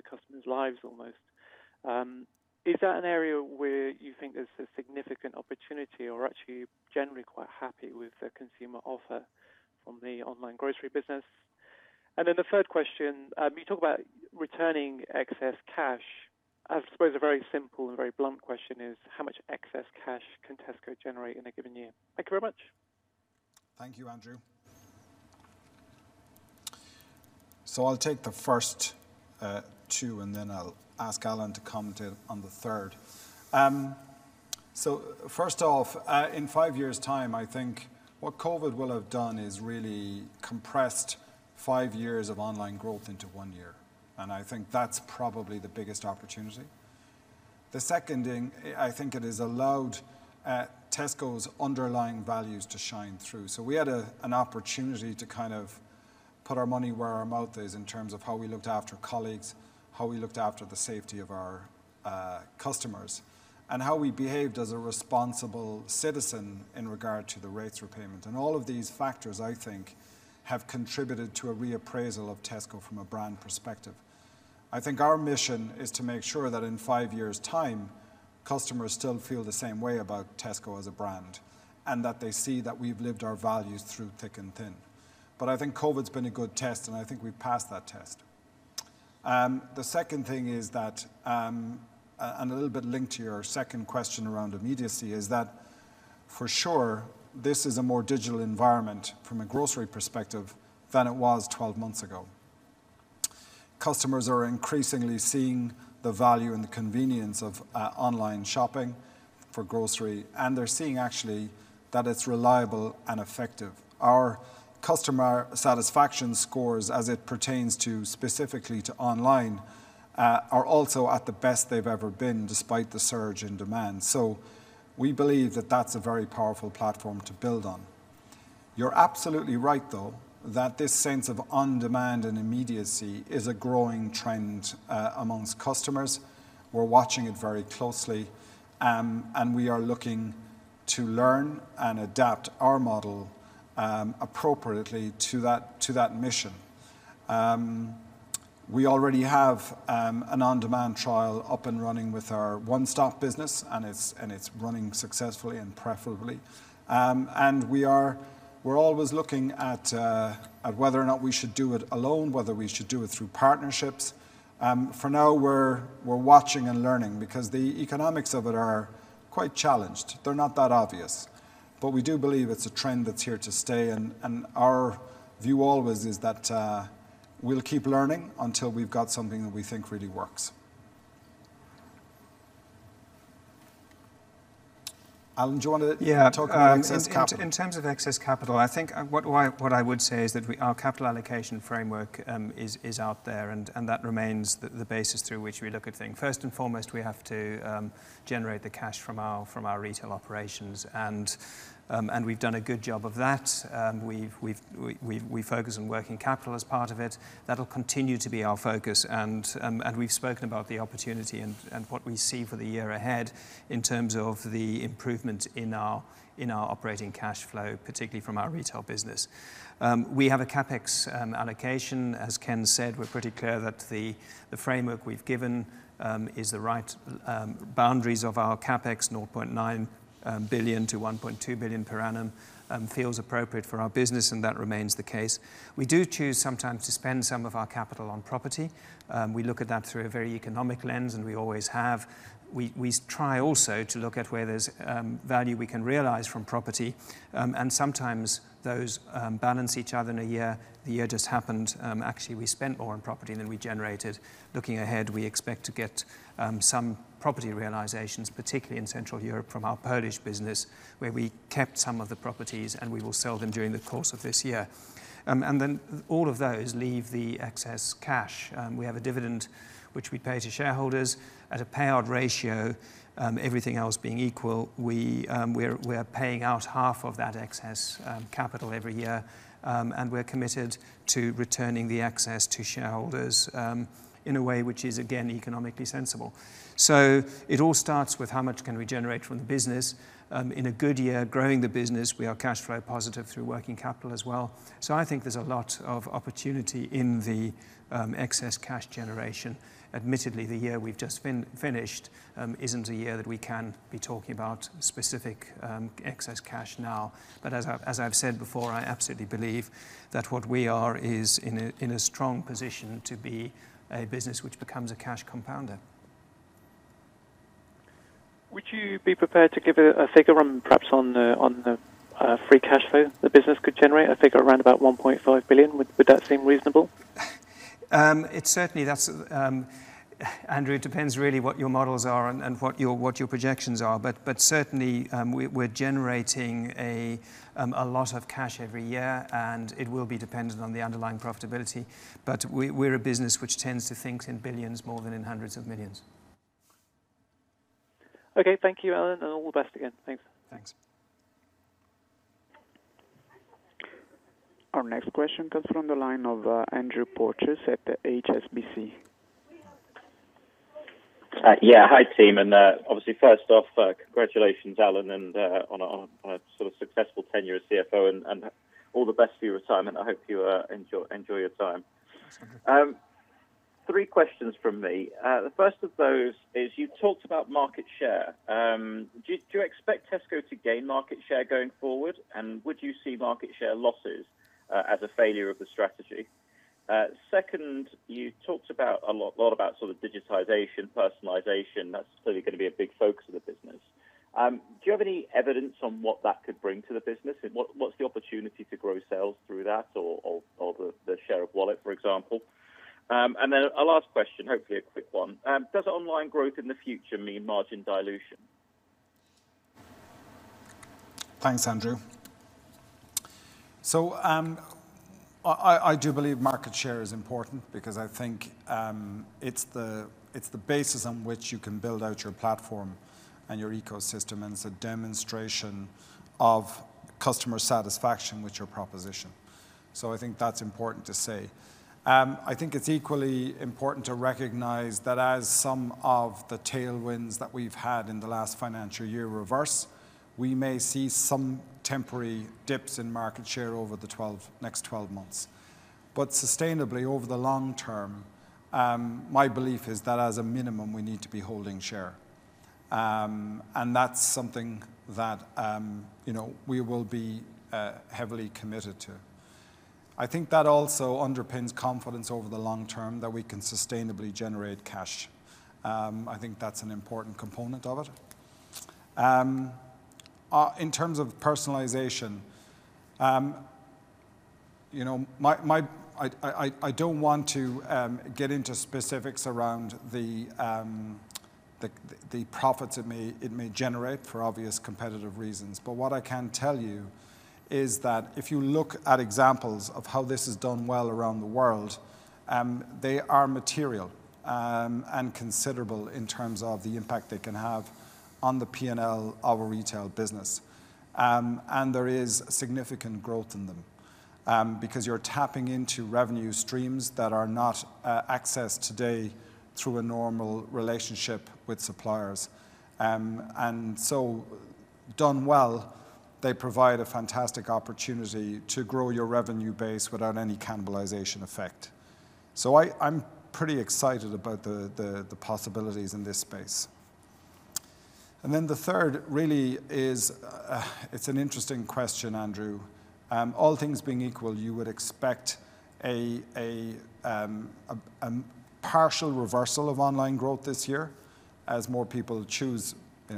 customers' lives almost. Is that an area where you think there's a significant opportunity or are actually generally quite happy with the consumer offer from the online grocery business? The third question, you talk about returning excess cash. I suppose a very simple and very blunt question is how much excess cash can Tesco generate in a given year? Thank you very much. Thank you, Andrew. I'll take the first two, and then I'll ask Alan to comment on the third. First off, in five years' time, I think what COVID will have done is really compressed five years of online growth into one year, and I think that's probably the biggest opportunity. The second thing, I think it has allowed Tesco's underlying values to shine through. We had an opportunity to kind of put our money where our mouth is in terms of how we looked after colleagues, how we looked after the safety of our customers, and how we behaved as a responsible citizen in regard to the rates repayment. All of these factors, I think, have contributed to a reappraisal of Tesco from a brand perspective. I think our mission is to make sure that in five years' time, customers still feel the same way about Tesco as a brand, and that they see that we've lived our values through thick and thin. I think COVID's been a good test, and I think we've passed that test. The second thing is that, and a little bit linked to your second question around immediacy, is that for sure, this is a more digital environment from a grocery perspective than it was 12 months ago. Customers are increasingly seeing the value and the convenience of online shopping for grocery, and they're seeing actually that it's reliable and effective. Our customer satisfaction scores as it pertains specifically to online are also at the best they've ever been, despite the surge in demand. We believe that that's a very powerful platform to build on. You're absolutely right, though, that this sense of on-demand and immediacy is a growing trend amongst customers. We are watching it very closely. We are looking to learn and adapt our model appropriately to that mission. We already have an on-demand trial up and running with our One Stop business, and it's running successfully and profitably. We are always looking at whether or not we should do it alone, whether we should do it through partnerships. For now, we are watching and learning because the economics of it are quite challenged. They're not that obvious. We do believe it's a trend that's here to stay, and our view always is that we'll keep learning until we've got something that we think really works. Alan, do you want to talk about excess capital? In terms of excess capital, I think what I would say is that our capital allocation framework is out there, and that remains the basis through which we look at things. First and foremost, we have to generate the cash from our retail operations, and we've done a good job of that. We focus on working capital as part of it. That'll continue to be our focus, and we've spoken about the opportunity and what we see for the year ahead in terms of the improvement in our operating cash flow, particularly from our retail business. We have a CapEx allocation. As Ken said, we're pretty clear that the framework we've given is the right boundaries of our CapEx, 0.9 billion to 1.2 billion per annum feels appropriate for our business, and that remains the case. We do choose sometimes to spend some of our capital on property. We look at that through a very economic lens, and we always have. We try also to look at where there's value we can realize from property, and sometimes those balance each other in a year. The year just happened, actually, we spent more on property than we generated. Looking ahead, we expect to get some property realizations, particularly in Central Europe from our Polish business, where we kept some of the properties, and we will sell them during the course of this year. Then all of those leave the excess cash. We have a dividend which we pay to shareholders at a payout ratio. Everything else being equal, we're paying out half of that excess capital every year, and we're committed to returning the excess to shareholders in a way which is, again, economically sensible. It all starts with how much can we generate from the business. In a good year, growing the business, we are cash flow positive through working capital as well. I think there's a lot of opportunity in the excess cash generation. Admittedly, the year we've just finished isn't a year that we can be talking about specific excess cash now. As I've said before, I absolutely believe that what we are is in a strong position to be a business which becomes a cash compounder. Would you be prepared to give a figure perhaps on the free cash flow the business could generate? A figure around about 1.5 billion, would that seem reasonable? Andrew, it depends really what your models are and what your projections are. Certainly, we're generating a lot of cash every year, and it will be dependent on the underlying profitability. We're a business which tends to think in billions more than in hundreds of millions. Okay. Thank you, Alan, and all the best again. Thanks. Thanks. Our next question comes from the line of Andrew Porteous at HSBC. Yeah. Hi, team. Obviously, first off, congratulations, Alan, on a successful tenure as CFO, and all the best for your assignment. I hope you enjoy your time. Thanks. Three questions from me. The first of those is you talked about market share. Do you expect Tesco to gain market share going forward? Would you see market share losses as a failure of the strategy? Second, you talked a lot about sort of digitization, personalization. That's clearly going to be a big focus of the business. Do you have any evidence on what that could bring to the business? What's the opportunity to grow sales through that or the share of wallet, for example? A last question, hopefully a quick one. Does online growth in the future mean margin dilution? Thanks, Andrew. I do believe market share is important because I think it's the basis on which you can build out your platform and your ecosystem, and it's a demonstration of customer satisfaction with your proposition. I think that's important to say. I think it's equally important to recognize that as some of the tailwinds that we've had in the last financial year reverse, we may see some temporary dips in market share over the next 12 months. Sustainably over the long term, my belief is that as a minimum, we need to be holding share. That's something that we will be heavily committed to. I think that also underpins confidence over the long term that we can sustainably generate cash. I think that's an important component of it. In terms of personalization, I don't want to get into specifics around the profits it may generate for obvious competitive reasons. What I can tell you is that if you look at examples of how this is done well around the world, they are material and considerable in terms of the impact they can have on the P&L of a retail business. There is significant growth in them, because you're tapping into revenue streams that are not accessed today through a normal relationship with suppliers. Done well, they provide a fantastic opportunity to grow your revenue base without any cannibalization effect. I'm pretty excited about the possibilities in this space. The third really is, it's an interesting question, Andrew. All things being equal, you would expect a partial reversal of online growth this year as more people choose,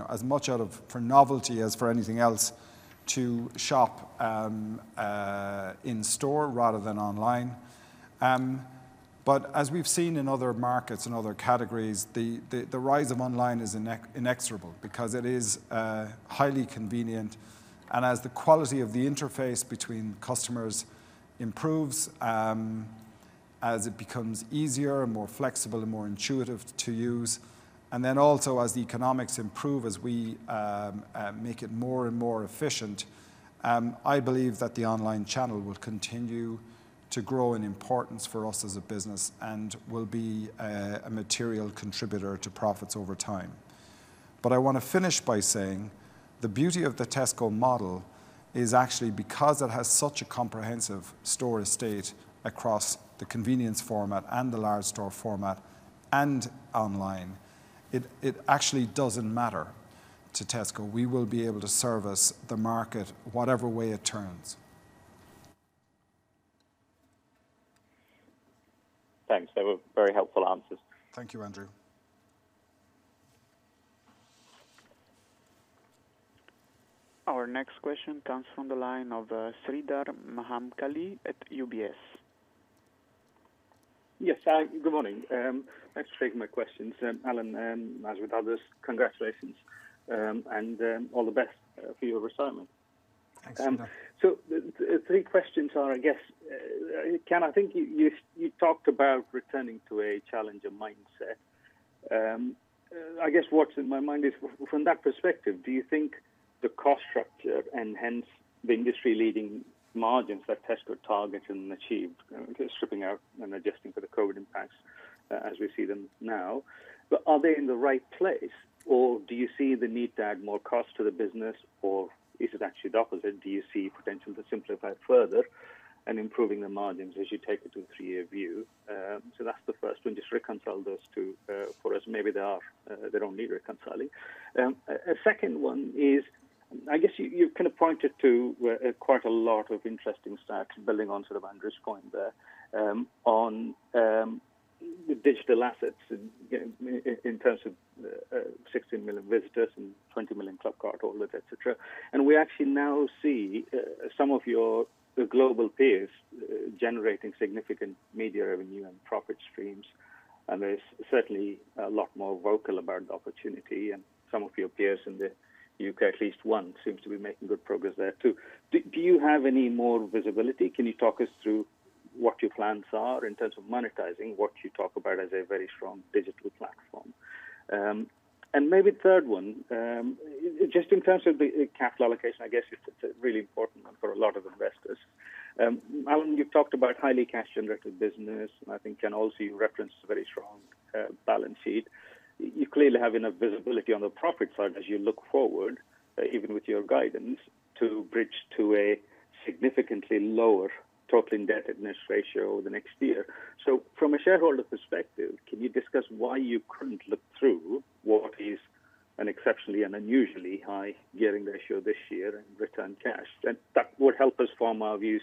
as much out of for novelty as for anything else, to shop in store rather than online. As we've seen in other markets and other categories, the rise of online is inexorable because it is highly convenient. As the quality of the interface between customers improves, as it becomes easier and more flexible and more intuitive to use, and then also as the economics improve, as we make it more and more efficient, I believe that the online channel will continue to grow in importance for us as a business and will be a material contributor to profits over time. I want to finish by saying, the beauty of the Tesco model is actually because it has such a comprehensive store estate across the convenience format and the large store format and online, it actually doesn't matter to Tesco. We will be able to service the market whatever way it turns. Thanks. They were very helpful answers. Thank you, Andrew. Our next question comes from the line of Sreedhar Mahamkali at UBS. Yes. Good morning. Thanks for taking my questions. Alan, as with others, congratulations, and all the best for your retirement. Thanks, Sreedhar. The three questions are, I guess, Ken, I think you talked about returning to a challenger mindset. What's in my mind is from that perspective, do you think the cost structure and hence the industry-leading margins that Tesco targets and achieves, stripping out and adjusting for the COVID impacts as we see them now, but are they in the right place, or do you see the need to add more cost to the business, or is it actually the opposite? Do you see potential to simplify it further and improving the margins as you take it to a three-year view? That's the first one, just reconcile those two for us. Maybe they don't need reconciling. A second one is, I guess you kind of pointed to quite a lot of interesting stats building on sort of Andrew's point there on digital assets in terms of 16 million visitors and 20 million Clubcard holders, et cetera. We actually now see some of your global peers generating significant media revenue and profit streams, and there is certainly a lot more vocal about the opportunity and some of your peers in the U.K., at least one seems to be making good progress there, too. Do you have any more visibility? Can you talk us through what your plans are in terms of monetizing what you talk about as a very strong digital platform? Maybe third one, just in terms of the capital allocation, I guess it's a really important one for a lot of investors. Alan, you've talked about highly cash generative business, and I think, Ken, also you referenced a very strong balance sheet. You clearly have enough visibility on the profit side as you look forward, even with your guidance to bridge to a significantly lower total indebtedness ratio over the next year. From a shareholder perspective, can you discuss why you couldn't look through what is an exceptionally and unusually high gearing ratio this year and return cash? That would help us form our views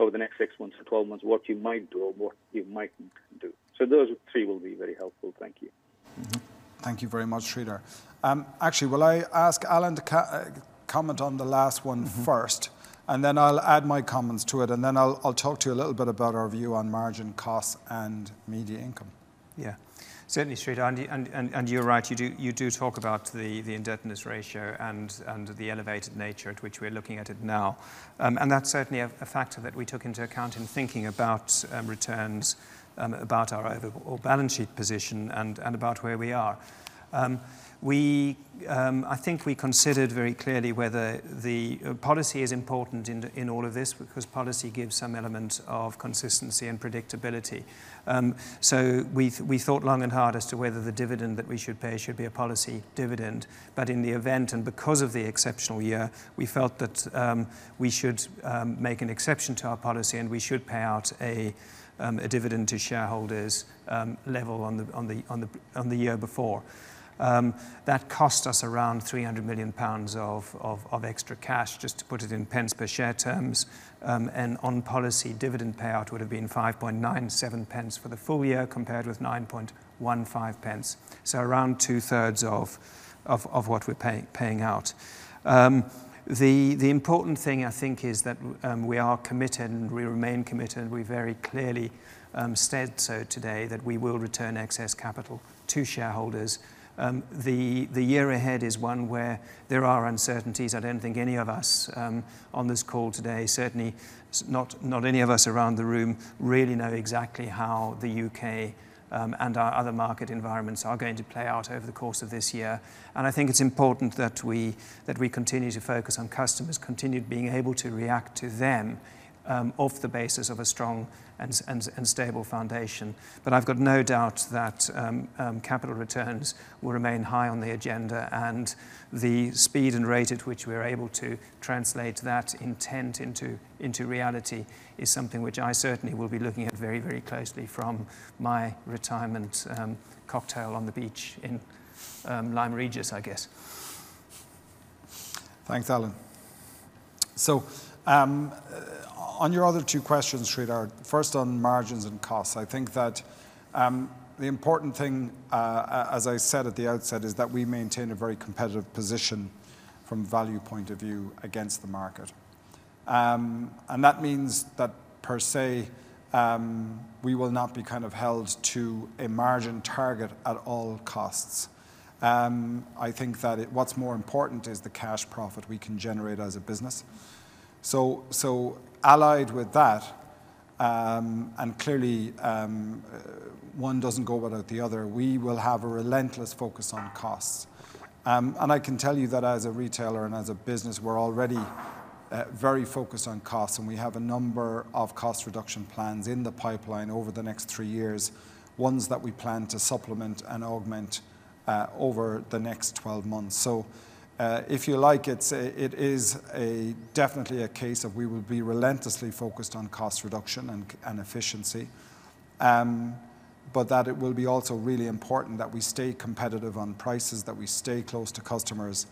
over the next six months to 12 months, what you might do or what you mightn't do. Those three will be very helpful. Thank you. Thank you very much, Sreedhar. Actually, will I ask Alan to comment on the last one first, and then I'll add my comments to it, and then I'll talk to you a little bit about our view on margin costs and media income. Yeah. Certainly, Sreedhar, you're right, you do talk about the indebtedness ratio and the elevated nature at which we're looking at it now. That's certainly a factor that we took into account in thinking about returns, about our overall balance sheet position, and about where we are. I think we considered very clearly whether the policy is important in all of this because policy gives some element of consistency and predictability. We thought long and hard as to whether the dividend that we should pay should be a policy dividend. In the event, and because of the exceptional year, we felt that we should make an exception to our policy, and we should pay out a dividend to shareholders level on the year before. That cost us around 300 million pounds of extra cash just to put it in pence per share terms. On policy, dividend payout would have been 0.0597 for the full year compared with 0.0915. So around two-thirds of what we're paying out. The important thing I think is that we are committed, and we remain committed, and we very clearly said so today that we will return excess capital to shareholders. The year ahead is one where there are uncertainties. I don't think any of us on this call today, certainly not any of us around the room, really know exactly how the U.K. and our other market environments are going to play out over the course of this year. I think it's important that we continue to focus on customers, continue being able to react to them off the basis of a strong and stable foundation. I've got no doubt that capital returns will remain high on the agenda, and the speed and rate at which we're able to translate that intent into reality is something which I certainly will be looking at very closely from my retirement cocktail on the beach in Lyme Regis, I guess. Thanks, Alan. On your other two questions, Sreedhar, first on margins and costs. I think that the important thing, as I said at the outset, is that we maintain a very competitive position from value point of view against the market. That means that per se, we will not be held to a margin target at all costs. I think that what's more important is the cash profit we can generate as a business. Allied with that, and clearly one doesn't go without the other, we will have a relentless focus on costs. I can tell you that as a retailer and as a business, we're already very focused on costs, and we have a number of cost reduction plans in the pipeline over the next three years, ones that we plan to supplement and augment over the next 12 months. If you like, it is definitely a case of we will be relentlessly focused on cost reduction and efficiency. That it will be also really important that we stay competitive on prices, that we stay close to customers,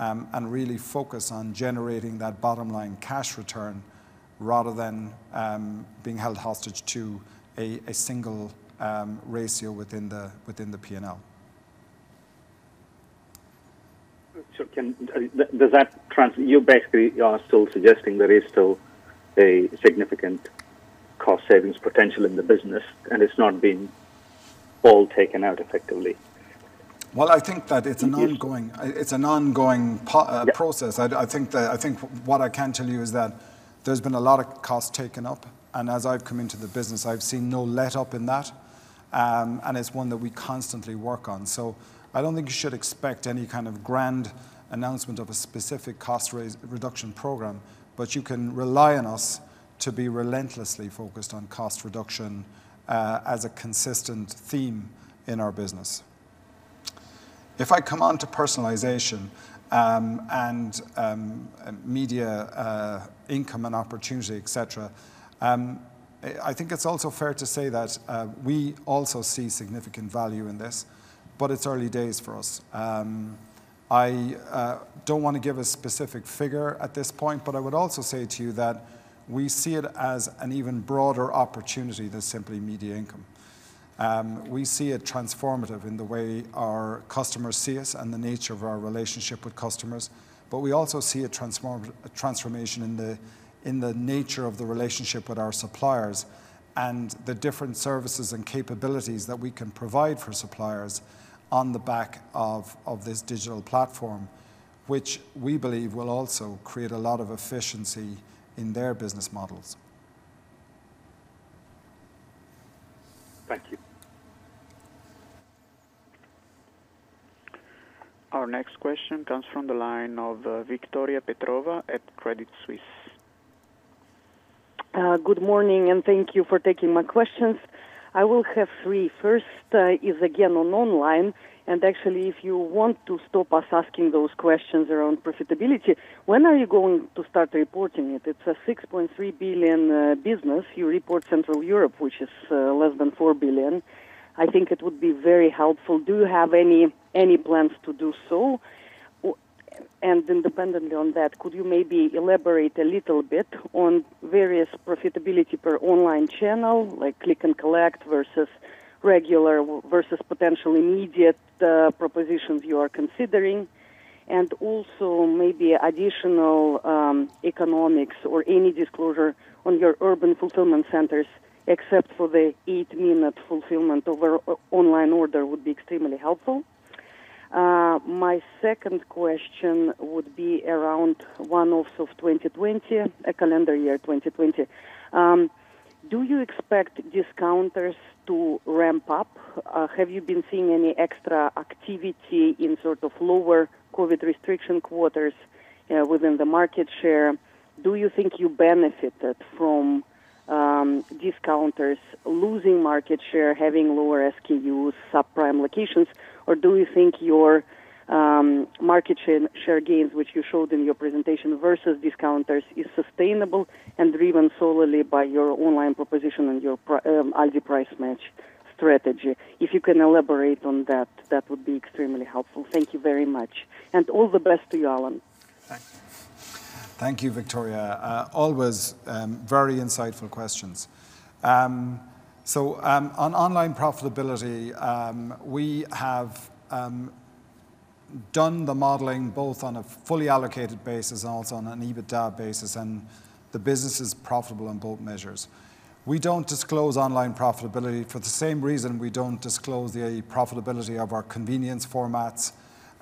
and really focus on generating that bottom-line cash return rather than being held hostage to a single ratio within the P&L. You basically are still suggesting there is still a significant cost savings potential in the business, and it's not been all taken out effectively? Well, I think that it's an ongoing process. I think what I can tell you is that there's been a lot of cost taken up, and as I've come into the business, I've seen no letup in that. It's one that we constantly work on. I don't think you should expect any kind of grand announcement of a specific cost reduction program, but you can rely on us to be relentlessly focused on cost reduction as a consistent theme in our business. If I come on to personalization, and media income and opportunity, et cetera, I think it's also fair to say that we also see significant value in this, but it's early days for us. I don't want to give a specific figure at this point, but I would also say to you that we see it as an even broader opportunity than simply media income. We see it transformative in the way our customers see us and the nature of our relationship with customers. We also see a transformation in the nature of the relationship with our suppliers and the different services and capabilities that we can provide for suppliers on the back of this digital platform, which we believe will also create a lot of efficiency in their business models. Thank you. Our next question comes from the line of Victoria Petrova at Credit Suisse. Good morning, and thank you for taking my questions. I will have three. First is again on online. Actually, if you want to stop us asking those questions around profitability, when are you going to start reporting it? It's a 6.3 billion business. You report Central Europe, which is less than 4 billion. I think it would be very helpful. Do you have any plans to do so? Independently on that, could you maybe elaborate a little bit on various profitability per online channel, like Click+Collect versus regular versus potential immediate propositions you are considering? Also maybe additional economics or any disclosure on your Urban Fulfilment Centres, except for the eight-minute fulfillment over online order would be extremely helpful. My second question would be around one-offs of 2020, calendar year 2020. Do you expect discounters to ramp up? Have you been seeing any extra activity in sort of lower COVID restriction quarters within the market share? Do you think you benefited from discounters losing market share, having lower SKUs, subprime locations? Do you think your market share gains, which you showed in your presentation versus discounters, is sustainable and driven solely by your online proposition and your Aldi Price Match strategy? If you can elaborate on that would be extremely helpful. Thank you very much. All the best to you, Alan. Thanks. Thank you, Victoria. Always very insightful questions. On online profitability, we have done the modeling both on a fully allocated basis and also on an EBITDA basis, and the business is profitable on both measures. We don't disclose online profitability for the same reason we don't disclose the profitability of our convenience formats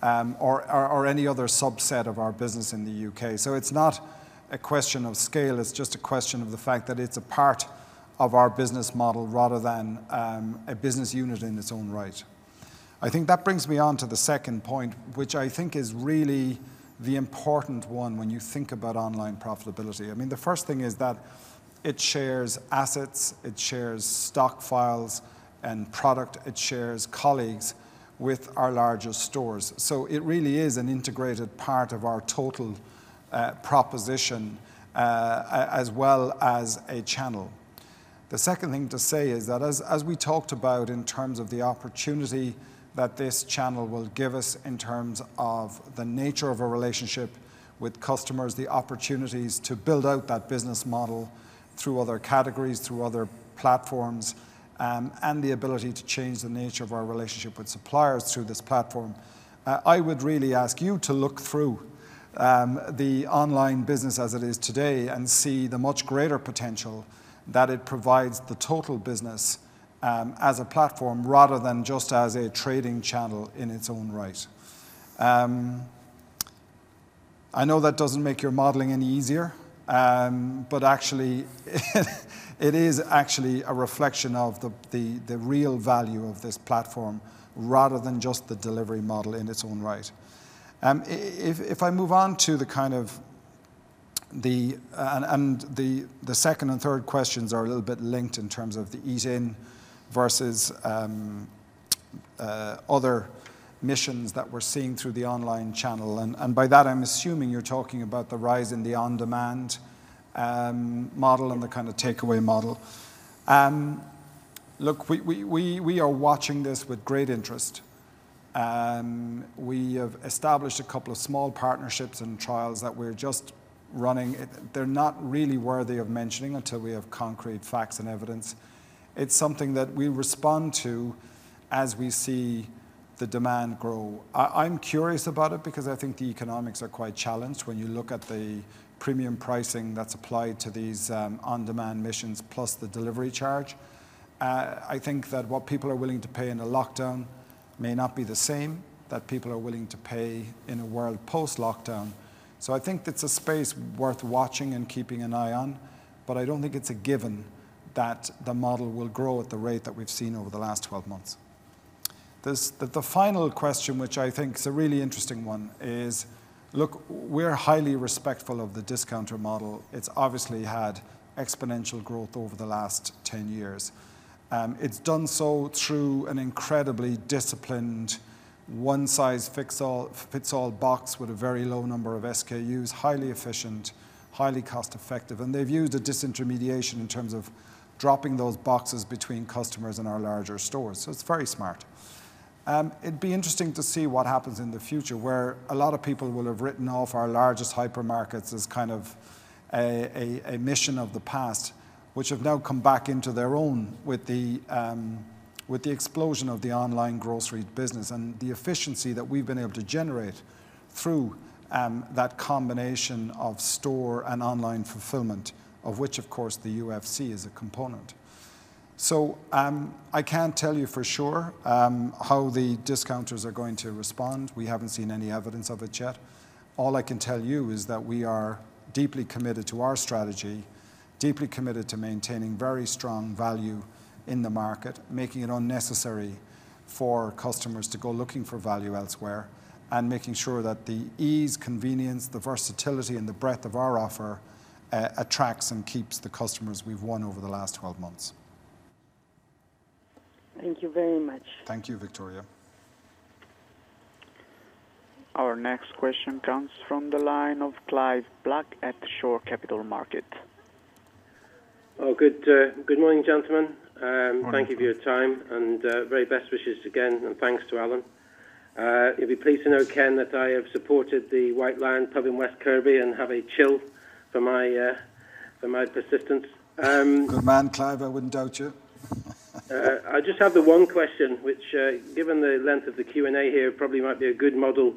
or any other subset of our business in the U.K. It's not a question of scale, it's just a question of the fact that it's a part of our business model rather than a business unit in its own right. I think that brings me onto the second point, which I think is really the important one when you think about online profitability. The first thing is that it shares assets, it shares stock files and product, it shares colleagues with our larger stores. It really is an integrated part of our total proposition as well as a channel. The second thing to say is that as we talked about in terms of the opportunity that this channel will give us in terms of the nature of a relationship with customers, the opportunities to build out that business model through other categories, through other platforms, and the ability to change the nature of our relationship with suppliers through this platform. I would really ask you to look through the online business as it is today and see the much greater potential that it provides the total business as a platform rather than just as a trading channel in its own right. I know that doesn't make your modeling any easier. Actually, it is actually a reflection of the real value of this platform rather than just the delivery model in its own right. If I move on to the kind of the second and third questions are a little bit linked in terms of the ease in versus other missions that we're seeing through the online channel. By that, I'm assuming you're talking about the rise in the on-demand model and the kind of takeaway model. Look, we are watching this with great interest. We have established a couple of small partnerships and trials that we're just running. They're not really worthy of mentioning until we have concrete facts and evidence. It's something that we respond to as we see the demand grow. I'm curious about it because I think the economics are quite challenged when you look at the premium pricing that's applied to these on-demand missions plus the delivery charge. I think that what people are willing to pay in a lockdown may not be the same that people are willing to pay in a world post-lockdown. I think it's a space worth watching and keeping an eye on, but I don't think it's a given that the model will grow at the rate that we've seen over the last 12 months. The final question, which I think is a really interesting one, is, look, we're highly respectful of the discounter model. It's obviously had exponential growth over the last 10 years. It's done so through an incredibly disciplined one-size-fits-all box with a very low number of SKUs, highly efficient, highly cost-effective. They've used a disintermediation in terms of dropping those boxes between customers in our larger stores. It's very smart. It'd be interesting to see what happens in the future where a lot of people will have written off our largest hypermarkets as kind of a mission of the past, which have now come back into their own with the explosion of the online grocery business and the efficiency that we've been able to generate through that combination of store and online fulfillment, of which, of course, the UFC is a component. I can't tell you for sure how the discounters are going to respond. We haven't seen any evidence of it yet. All I can tell you is that we are deeply committed to our strategy, deeply committed to maintaining very strong value in the market, making it unnecessary for customers to go looking for value elsewhere, and making sure that the ease, convenience, the versatility, and the breadth of our offer attracts and keeps the customers we've won over the last 12 months. Thank you very much. Thank you, Victoria. Our next question comes from the line of Clive Black at Shore Capital Markets. Oh, good morning, gentlemen. Morning. Thank you for your time, and very best wishes again, and thanks to Alan. You'll be pleased to know, Ken, that I have supported the White Lion pub in West Kirby and have a chit for my persistence. Good man, Clive. I wouldn't doubt you. I just have the one question, which given the length of the Q&A here, probably might be a good model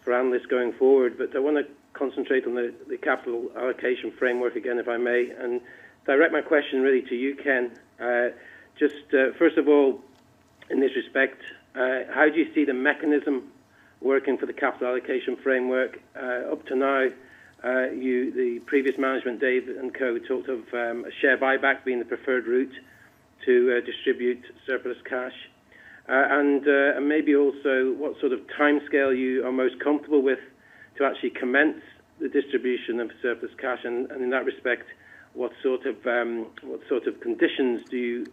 for analysts going forward. I want to concentrate on the capital allocation framework again, if I may, and direct my question really to you, Ken. Just first of all, in this respect, how do you see the mechanism working for the capital allocation framework? Up to now, the previous management, Dave and co, talked of a share buyback being the preferred route to distribute surplus cash. Maybe also what sort of timescale you are most comfortable with to actually commence the distribution of surplus cash and, in that respect, what sort of conditions do you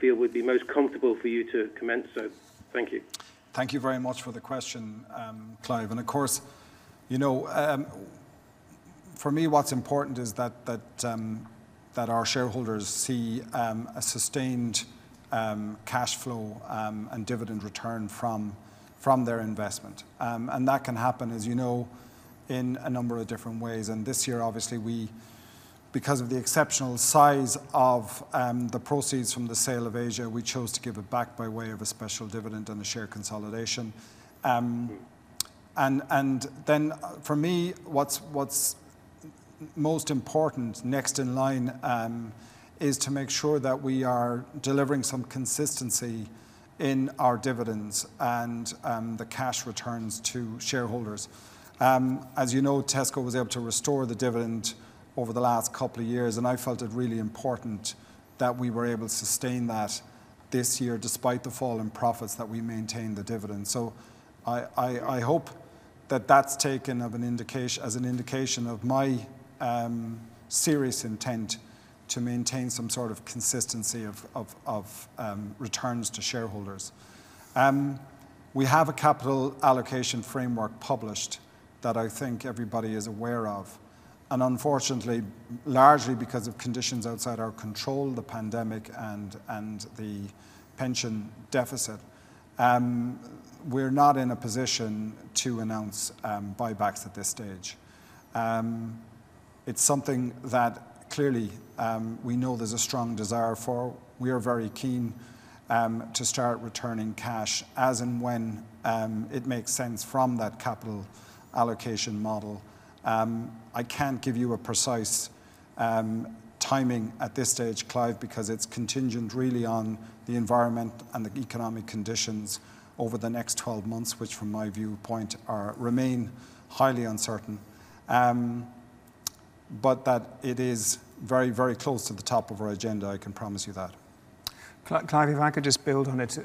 feel would be most comfortable for you to commence so. Thank you. Thank you very much for the question, Clive. Of course, for me, what's important is that our shareholders see a sustained cash flow and dividend return from their investment. That can happen, as you know, in a number of different ways. This year, obviously, because of the exceptional size of the proceeds from the sale of Asia, we chose to give it back by way of a special dividend and a share consolidation. Then for me, what's most important next in line is to make sure that we are delivering some consistency in our dividends and the cash returns to shareholders. As you know, Tesco was able to restore the dividend over the last couple of years, and I felt it really important that we were able to sustain that this year, despite the fall in profits, that we maintain the dividend. I hope that that's taken as an indication of my serious intent to maintain some sort of consistency of returns to shareholders. We have a capital allocation framework published that I think everybody is aware of, and unfortunately, largely because of conditions outside our control, the pandemic and the pension deficit, we're not in a position to announce buybacks at this stage. It's something that clearly we know there's a strong desire for. We are very keen to start returning cash as and when it makes sense from that capital allocation model. I can't give you a precise timing at this stage, Clive, because it's contingent really on the environment and the economic conditions over the next 12 months, which from my viewpoint remain highly uncertain. That it is very close to the top of our agenda, I can promise you that. Clive, if I could just build on it.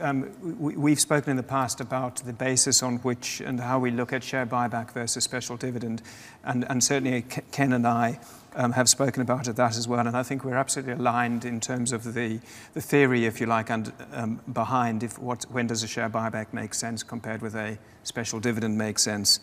We've spoken in the past about the basis on which and how we look at share buyback versus special dividend, and certainly Ken and I have spoken about that as well. I think we're absolutely aligned in terms of the theory, if you like, and behind when does a share buyback make sense compared with a special dividend make sense.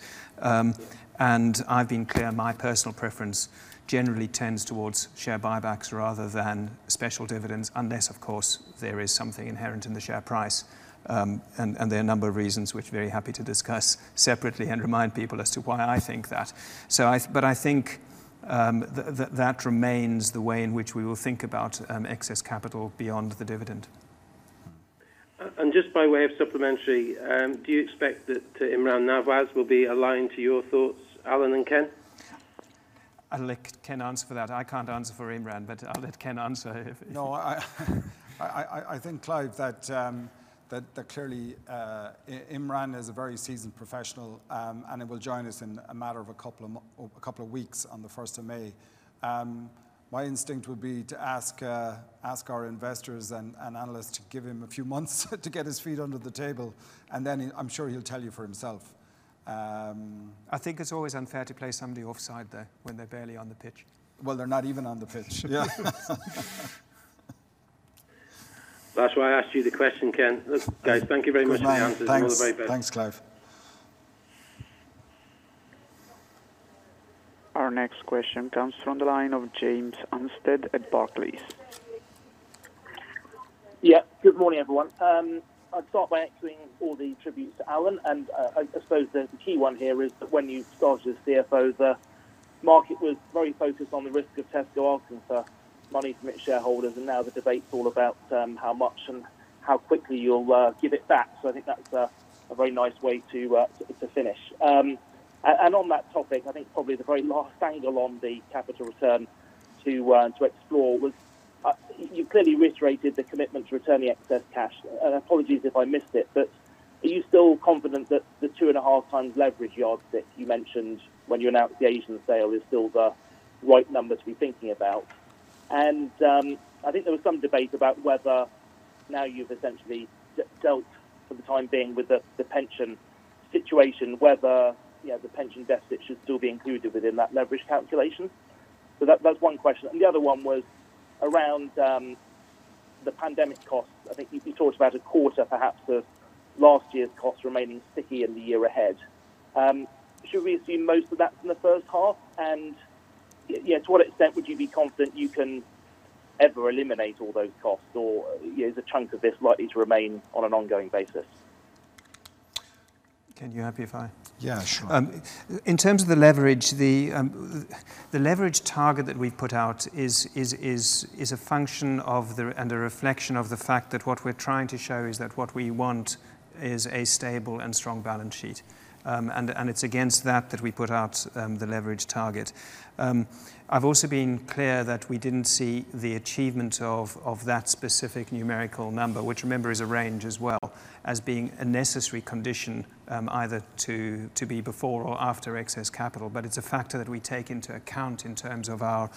I've been clear, my personal preference generally tends towards share buybacks rather than special dividends, unless of course there is something inherent in the share price. There are a number of reasons which I'm very happy to discuss separately and remind people as to why I think that. I think that remains the way in which we will think about excess capital beyond the dividend. Just by way of supplementary, do you expect that Imran Nawaz will be aligned to your thoughts, Alan and Ken? I'll let Ken answer that. I can't answer for Imran, but I'll let Ken answer. No, I think, Clive, that clearly Imran is a very seasoned professional, and he will join us in a matter of a couple of weeks on the first of May. My instinct would be to ask our investors and analysts to give him a few months to get his feet under the table, and then I'm sure he'll tell you for himself. I think it's always unfair to play somebody offside, though, when they're barely on the pitch. Well, they're not even on the pitch. That's why I asked you the question, Ken. Look, guys, thank you very much for the answers and all the very best. Good man. Thanks, Clive. Our next question comes from the line of James Anstead at Barclays. Yeah. Good morning, everyone. I'd start by echoing all the tributes to Alan, and I suppose the key one here is that when you started as CFO, the market was very focused on the risk of Tesco asking for money from its shareholders, and now the debate's all about how much and how quickly you'll give it back. I think that's a very nice way to finish. On that topic, I think probably the very last angle on the capital return to explore was you clearly reiterated the commitment to return the excess cash. Apologies if I missed it, but are you still confident that the two and a half times leverage yardstick you mentioned when you announced the Asian sale is still the right number to be thinking about? I think there was some debate about whether now you've essentially dealt for the time being with the pension situation, whether the pension deficit should still be included within that leverage calculation. That's one question. The other one was around the pandemic costs. I think you talked about a quarter perhaps of last year's costs remaining sticky in the year ahead. Should we assume most of that's in the first half? To what extent would you be confident you can ever eliminate all those costs? Is a chunk of this likely to remain on an ongoing basis? Ken, you happy if? Yeah, sure. In terms of the leverage, the leverage target that we've put out is a function of and a reflection of the fact that what we're trying to show is that what we want is a stable and strong balance sheet. It's against that that we put out the leverage target. I've also been clear that we didn't see the achievement of that specific numerical number, which remember, is a range as well, as being a necessary condition, either to be before or after excess capital. It's a factor that we take into account in terms of our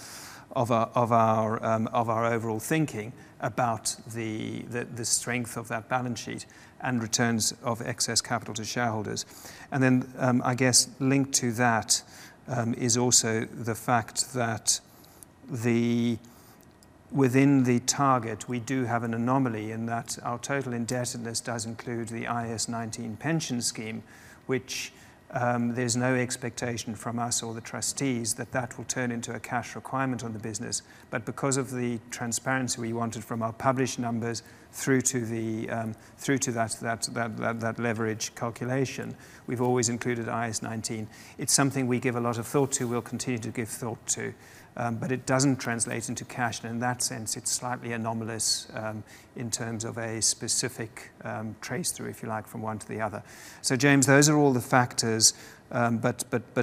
overall thinking about the strength of that balance sheet and returns of excess capital to shareholders. Then, I guess linked to that, is also the fact that within the target, we do have an anomaly in that our total indebtedness does include the IAS 19 pension scheme, which there's no expectation from us or the trustees that that will turn into a cash requirement on the business. Because of the transparency we wanted from our published numbers through to that leverage calculation, we've always included IAS 19. It's something we give a lot of thought to, we'll continue to give thought to. It doesn't translate into cash. In that sense, it's slightly anomalous, in terms of a specific trace through, if you like, from one to the other. James, those are all the factors. The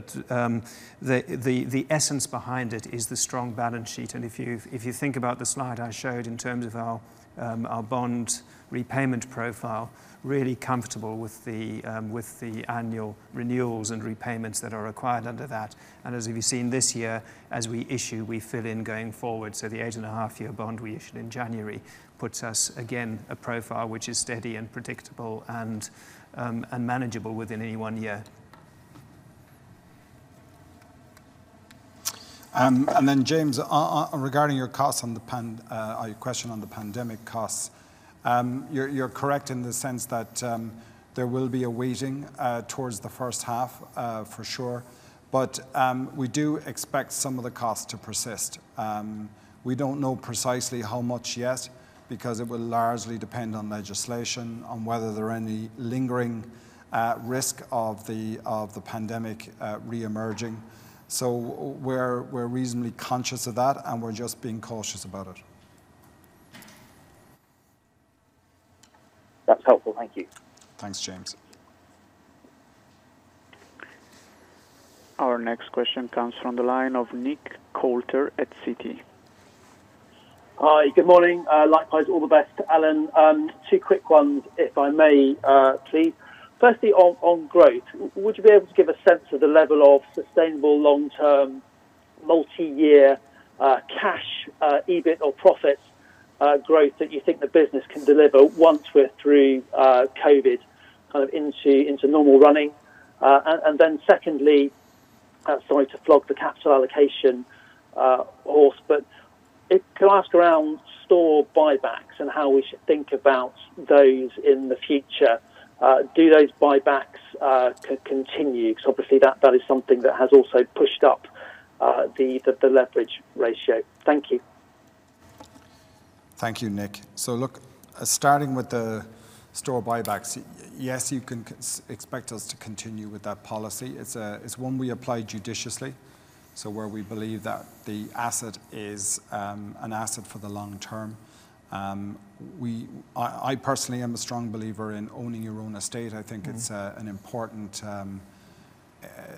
essence behind it is the strong balance sheet. If you think about the slide I showed in terms of our bond repayment profile, really comfortable with the annual renewals and repayments that are required under that. As we've seen this year, as we issue, we fill in going forward. The eight and a half year bond we issued in January puts us, again, a profile which is steady and predictable and manageable within any one year. James, regarding your question on the pandemic costs. You're correct in the sense that there will be a weighting towards the first half, for sure. We do expect some of the costs to persist. We don't know precisely how much yet, because it will largely depend on legislation, on whether there are any lingering risk of the pandemic reemerging. We're reasonably conscious of that, and we're just being cautious about it. That's helpful. Thank you. Thanks, James. Our next question comes from the line of Nick Coulter at Citi. Hi. Good morning. Likewise, all the best, Alan. Two quick ones if I may, please. Firstly, on growth, would you be able to give a sense of the level of sustainable long-term, multi-year cash EBIT or profits growth that you think the business can deliver once we're through COVID-19, into normal running? Secondly, sorry to flog the capital allocation horse, but could I ask around store buybacks and how we should think about those in the future? Do those buybacks continue? Obviously that is something that has also pushed up the leverage ratio. Thank you. Thank you, Nick. Look, starting with the store buybacks. Yes, you can expect us to continue with that policy. It's one we apply judiciously, so where we believe that the asset is an asset for the long term. I personally am a strong believer in owning your own estate. I think it's an important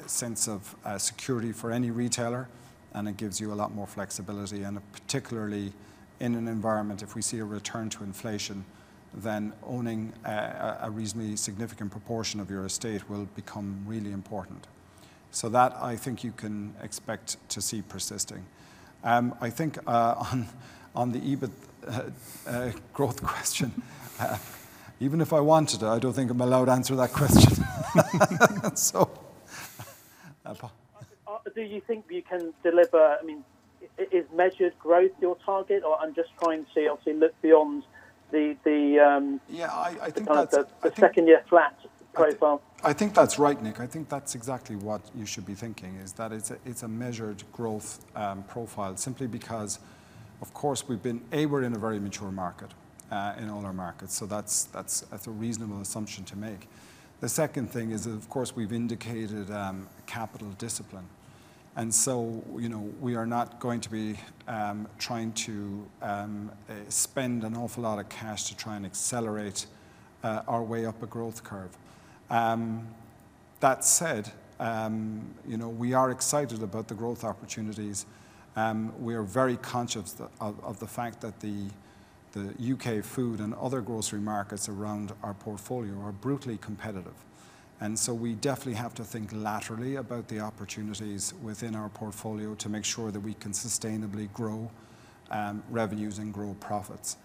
sense of security for any retailer, and it gives you a lot more flexibility. Particularly in an environment, if we see a return to inflation, then owning a reasonably significant proportion of your estate will become really important. That I think you can expect to see persisting. I think on the EBIT growth question, even if I wanted, I don't think I'm allowed to answer that question. Do you think you can deliver, is measured growth your target? Yeah the second year flat profile. I think that's right, Nick. I think that's exactly what you should be thinking, is that it's a measured growth profile simply because, of course we're in a very mature market, in all our markets. That's a reasonable assumption to make. The second thing is, of course, we've indicated capital discipline. We are not going to be trying to spend an awful lot of cash to try and accelerate our way up a growth curve. That said, we are excited about the growth opportunities. We are very conscious of the fact that the U.K. food and other grocery markets around our portfolio are brutally competitive. We definitely have to think laterally about the opportunities within our portfolio to make sure that we can sustainably grow revenues and grow profits.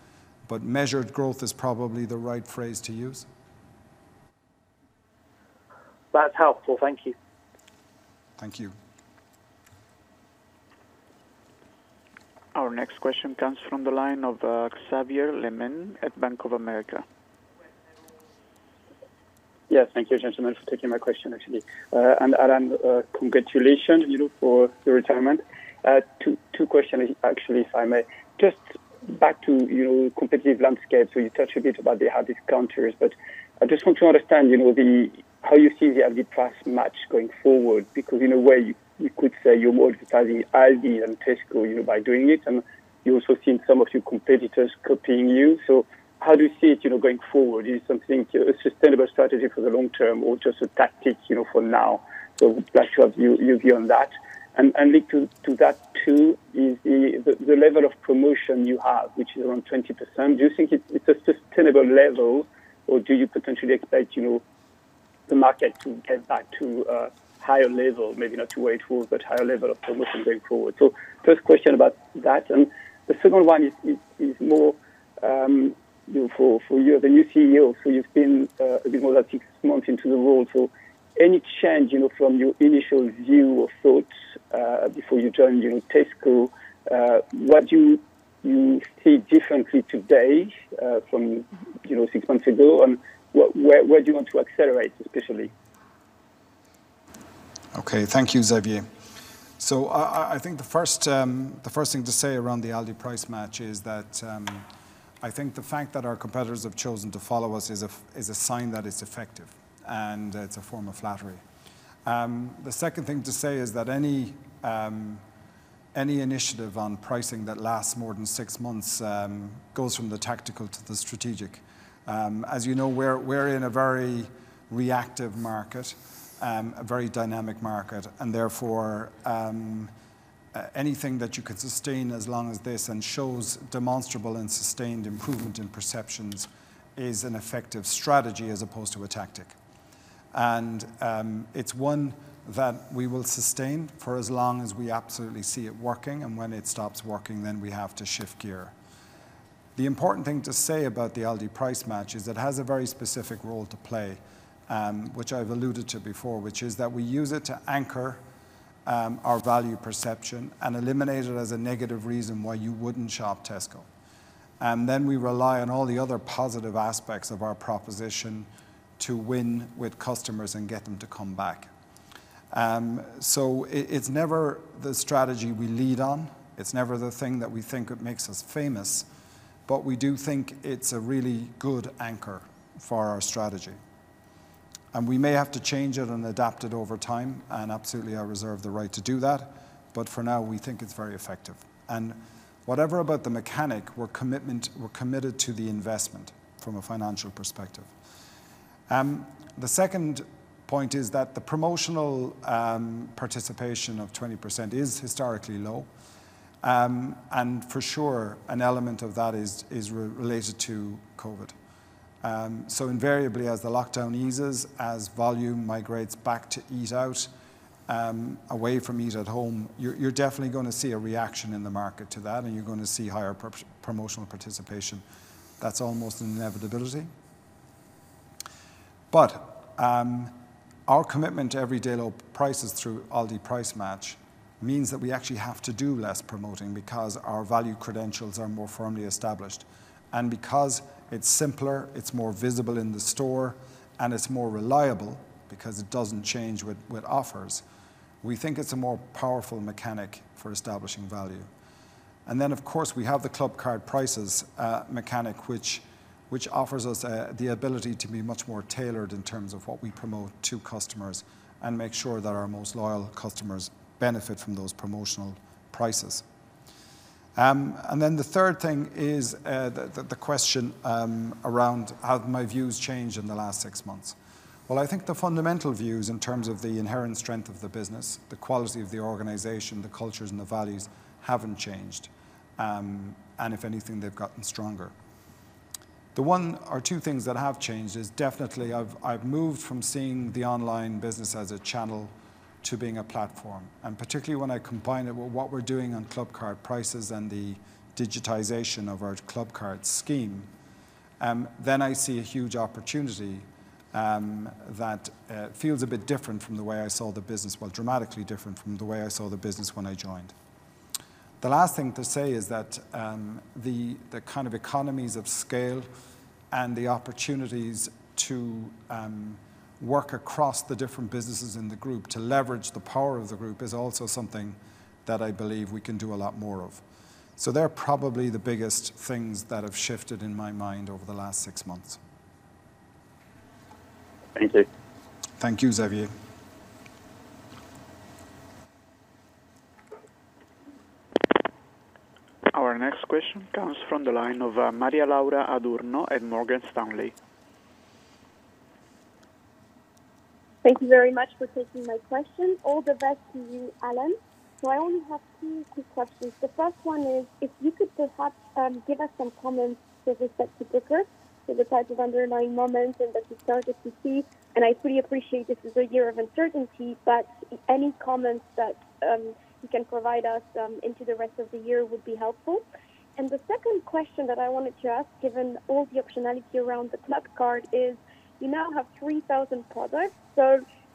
Measured growth is probably the right phrase to use. That's helpful. Thank you. Thank you. Our next question comes from the line of Xavier Le Mené at Bank of America. Yes, thank you, gentlemen, for taking my question, actually. Alan, congratulations for your retirement. Two questions actually, if I may. Back to competitive landscape. You touched a bit about the hard discounters, but I just want to understand how you see the Aldi Price Match going forward. Because in a way, you could say you're more criticizing Aldi and Tesco by doing it, and you're also seeing some of your competitors copying you. How do you see it going forward? Is it a sustainable strategy for the long term or just a tactic for now? I'd like to have your view on that. Linked to that, too, is the level of promotion you have, which is around 20%. Do you think it's a sustainable level, or do you potentially expect the market to get back to a higher level, maybe not to where it was, but higher level of promotion going forward? First question about that, and the second one is more for you, the new CEO. You've been a bit more than six months into the role, so any change from your initial view or thoughts before you joined Tesco? What do you see differently today from six months ago, and where do you want to accelerate, especially? Okay. Thank you, Xavier. I think the first thing to say around the Aldi Price Match is that I think the fact that our competitors have chosen to follow us is a sign that it's effective, and it's a form of flattery. The second thing to say is that any initiative on pricing that lasts more than six months goes from the tactical to the strategic. As you know, we're in a very reactive market, a very dynamic market, and therefore, anything that you could sustain as long as this and shows demonstrable and sustained improvement in perceptions is an effective strategy as opposed to a tactic. It's one that we will sustain for as long as we absolutely see it working, and when it stops working, then we have to shift gear. The important thing to say about the Aldi Price Match is it has a very specific role to play, which I've alluded to before, which is that we use it to anchor our value perception and eliminate it as a negative reason why you wouldn't shop Tesco. We rely on all the other positive aspects of our proposition to win with customers and get them to come back. It's never the strategy we lead on. It's never the thing that we think makes us famous. We do think it's a really good anchor for our strategy. We may have to change it and adapt it over time, and absolutely, I reserve the right to do that. For now, we think it's very effective. Whatever about the mechanic, we're committed to the investment from a financial perspective. The second point is that the promotional participation of 20% is historically low. For sure, an element of that is related to COVID. Invariably, as the lockdown eases, as volume migrates back to eat out, away from eat at home, you're definitely going to see a reaction in the market to that, and you're going to see higher promotional participation. That's almost an inevitability. Our commitment to everyday low prices through Aldi Price Match means that we actually have to do less promoting because our value credentials are more firmly established. Because it's simpler, it's more visible in the store, and it's more reliable because it doesn't change with offers. We think it's a more powerful mechanic for establishing value. Of course, we have the Clubcard Prices mechanic, which offers us the ability to be much more tailored in terms of what we promote to customers and make sure that our most loyal customers benefit from those promotional prices. The third thing is the question around have my views changed in the last six months. Well, I think the fundamental views in terms of the inherent strength of the business, the quality of the organization, the cultures, and the values haven't changed. If anything, they've gotten stronger. The one or two things that have changed is definitely I've moved from seeing the online business as a channel to being a platform. Particularly when I combine it with what we're doing on Clubcard Prices and the digitization of our Clubcard scheme, then I see a huge opportunity that feels a bit different from the way I saw the business, well, dramatically different from the way I saw the business when I joined. The last thing to say is that the kind of economies of scale and the opportunities to work across the different businesses in the group to leverage the power of the group is also something that I believe we can do a lot more of. They're probably the biggest things that have shifted in my mind over the last six months. Thank you. Thank you, Xavier. Our next question comes from the line of Maria-Laura Adurno at Morgan Stanley. Thank you very much for taking my question. All the best to you, Alan. I only have two quick questions. The first one is if you could perhaps give us some comments with respect to Booker, so the type of underlying moments and that you started to see, and I fully appreciate this is a year of uncertainty, but any comments that you can provide us into the rest of the year would be helpful. The second question that I wanted to ask, given all the optionality around the Clubcard, is you now have 3,000 products.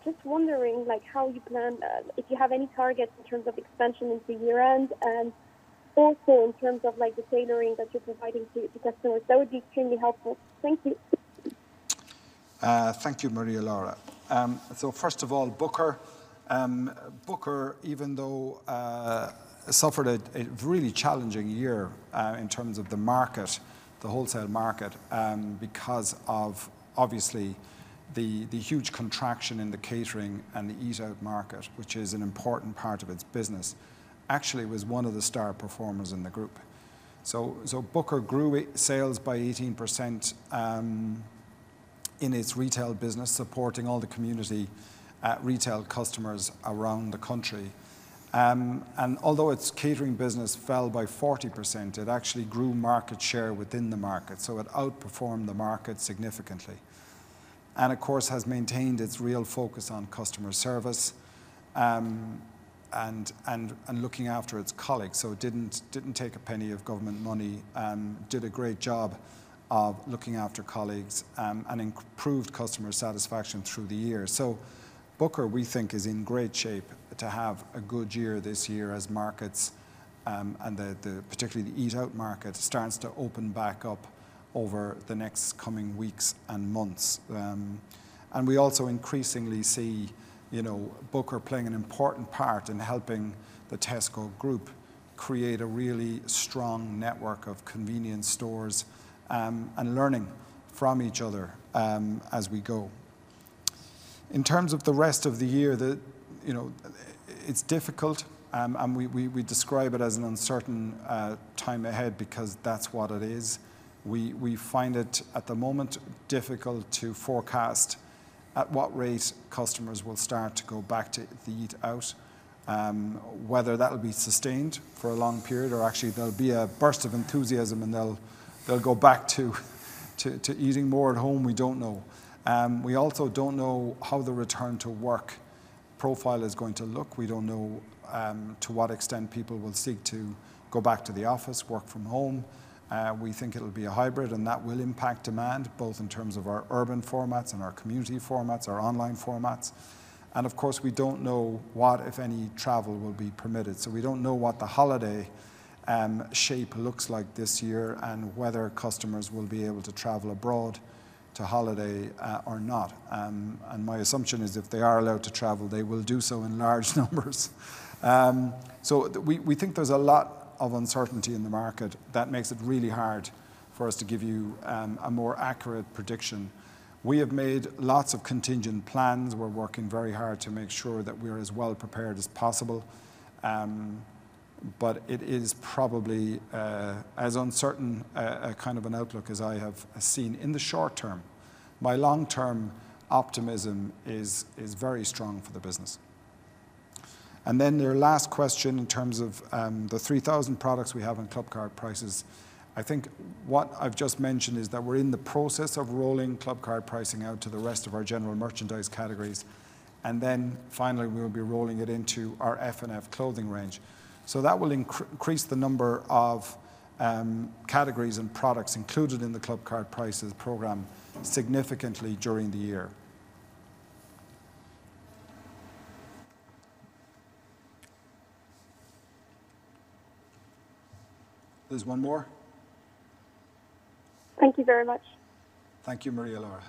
Just wondering how you plan, if you have any targets in terms of expansion into year-end, and also in terms of the tailoring that you're providing to customers. That would be extremely helpful. Thank you. Thank you, Maria-Laura. First of all, Booker. Booker, even though it suffered a really challenging year in terms of the wholesale market because of, obviously, the huge contraction in the catering and the eat-out market, which is an important part of its business, actually was one of the star performers in the group. Booker grew its sales by 18% in its retail business, supporting all the community retail customers around the country. Although its catering business fell by 40%, it actually grew market share within the market. It outperformed the market significantly. Of course, has maintained its real focus on customer service and looking after its colleagues. It didn't take a penny of government money and did a great job of looking after colleagues and improved customer satisfaction through the year. Booker, we think, is in great shape to have a good year this year as markets, and particularly the eat-out market, starts to open back up over the next coming weeks and months. We also increasingly see Booker playing an important part in helping the Tesco Group create a really strong network of convenience stores and learning from each other as we go. In terms of the rest of the year, it's difficult, and we describe it as an uncertain time ahead because that's what it is. We find it, at the moment, difficult to forecast at what rate customers will start to go back to eat out. Whether that will be sustained for a long period or actually there'll be a burst of enthusiasm and they'll go back to eating more at home, we don't know. We also don't know how the return-to-work profile is going to look. We don't know to what extent people will seek to go back to the office, work from home. We think it'll be a hybrid, and that will impact demand, both in terms of our urban formats and our community formats, our online formats. Of course, we don't know what, if any, travel will be permitted. We don't know what the holiday shape looks like this year and whether customers will be able to travel abroad to holiday or not. My assumption is if they are allowed to travel, they will do so in large numbers. We think there's a lot of uncertainty in the market that makes it really hard for us to give you a more accurate prediction. We have made lots of contingent plans. We're working very hard to make sure that we're as well prepared as possible. It is probably as uncertain a kind of an outlook as I have seen in the short term. My long-term optimism is very strong for the business. Your last question in terms of the 3,000 products we have on Clubcard Prices. I think what I've just mentioned is that we're in the process of rolling Clubcard Prices out to the rest of our general merchandise categories. Finally, we'll be rolling it into our F&F clothing range. That will increase the number of categories and products included in the Clubcard Prices program significantly during the year. There's one more? Thank you very much. Thank you, Maria-Laura.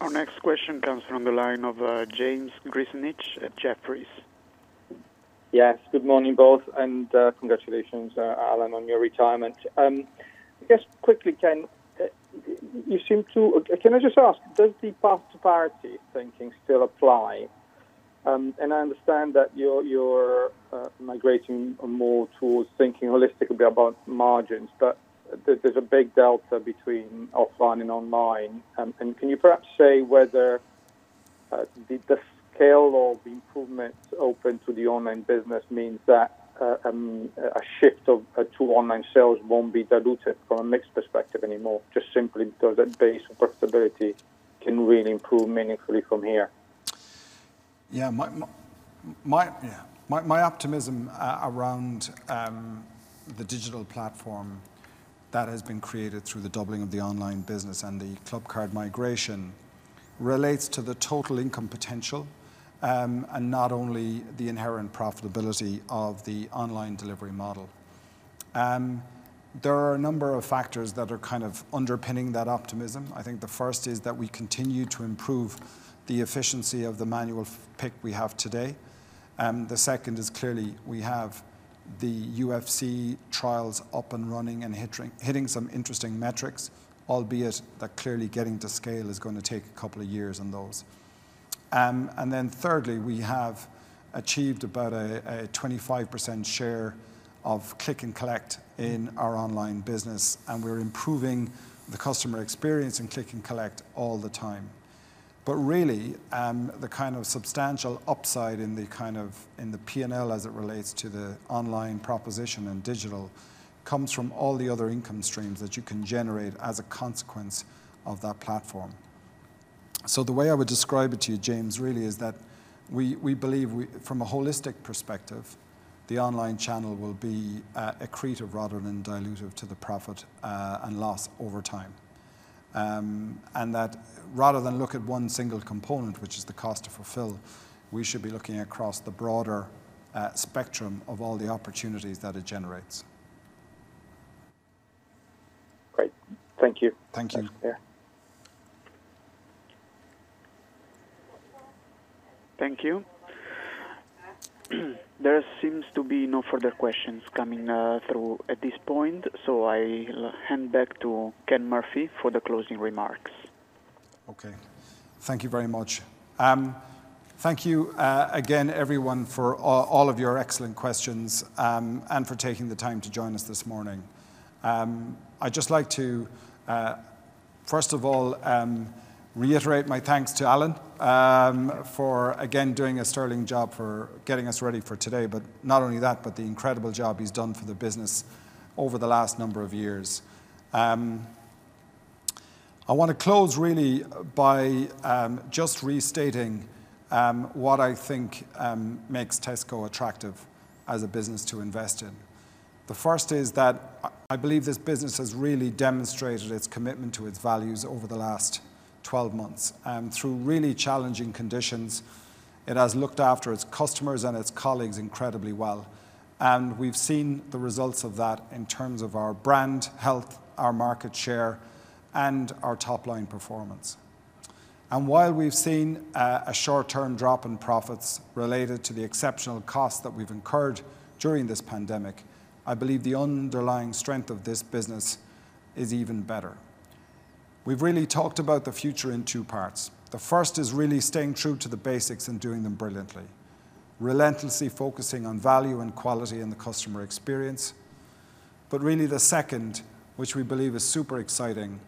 Our next question comes from the line of James Grzinic at Jefferies. Yes. Good morning, both. Congratulations, Alan, on your retirement. I guess quickly, can I just ask, does the path to parity thinking still apply? I understand that you're migrating more towards thinking holistically about margins. There's a big delta between offline and online. Can you perhaps say whether the scale of improvements open to the online business means that a shift to online sales won't be diluted from a mix perspective anymore, just simply because that base profitability can really improve meaningfully from here? Yeah. My optimism around the digital platform that has been created through the doubling of the online business and the Clubcard migration relates to the total income potential and not only the inherent profitability of the online delivery model. There are a number of factors that are kind of underpinning that optimism. I think the first is that we continue to improve the efficiency of the manual pick we have today. The second is clearly we have the UFC trials up and running and hitting some interesting metrics, albeit that clearly getting to scale is going to take a couple of years on those. Thirdly, we have achieved about a 25% share of Click and Collect in our online business, and we're improving the customer experience in Click and Collect all the time. Really, the kind of substantial upside in the P&L as it relates to the online proposition and digital comes from all the other income streams that you can generate as a consequence of that platform. The way I would describe it to you, James, really, is that we believe from a holistic perspective, the online channel will be accretive rather than dilutive to the profit and loss over time. That rather than look at one single component, which is the cost to fulfill, we should be looking across the broader spectrum of all the opportunities that it generates. Great. Thank you. Thank you. Thanks. Thank you. There seems to be no further questions coming through at this point, so I hand back to Ken Murphy for the closing remarks. Okay. Thank you very much. Thank you again, everyone, for all of your excellent questions, and for taking the time to join us this morning. I'd just like to, first of all, reiterate my thanks to Alan for, again, doing a sterling job for getting us ready for today. The incredible job he's done for the business over the last number of years. I want to close really by just restating what I think makes Tesco attractive as a business to invest in. The first is that I believe this business has really demonstrated its commitment to its values over the last 12 months. Through really challenging conditions, it has looked after its customers and its colleagues incredibly well. We've seen the results of that in terms of our brand health, our market share, and our top-line performance. While we've seen a short-term drop in profits related to the exceptional costs that we've incurred during this pandemic, I believe the underlying strength of this business is even better. We've really talked about the future in two parts. The first is really staying true to the basics and doing them brilliantly, relentlessly focusing on value and quality in the customer experience. Really the second, which we believe is super exciting,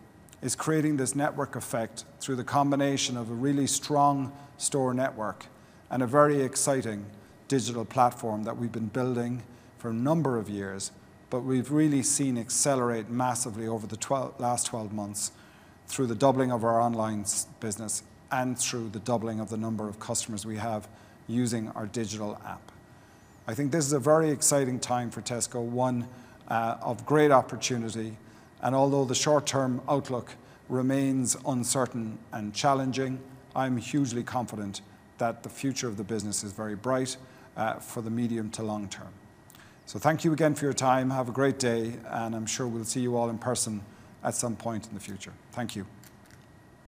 is creating this network effect through the combination of a really strong store network and a very exciting digital platform that we've been building for a number of years, but we've really seen accelerate massively over the last 12 months through the doubling of our online business and through the doubling of the number of customers we have using our digital app. I think this is a very exciting time for Tesco, one of great opportunity, and although the short-term outlook remains uncertain and challenging, I'm hugely confident that the future of the business is very bright for the medium to long term. Thank you again for your time. Have a great day, and I'm sure we'll see you all in person at some point in the future. Thank you.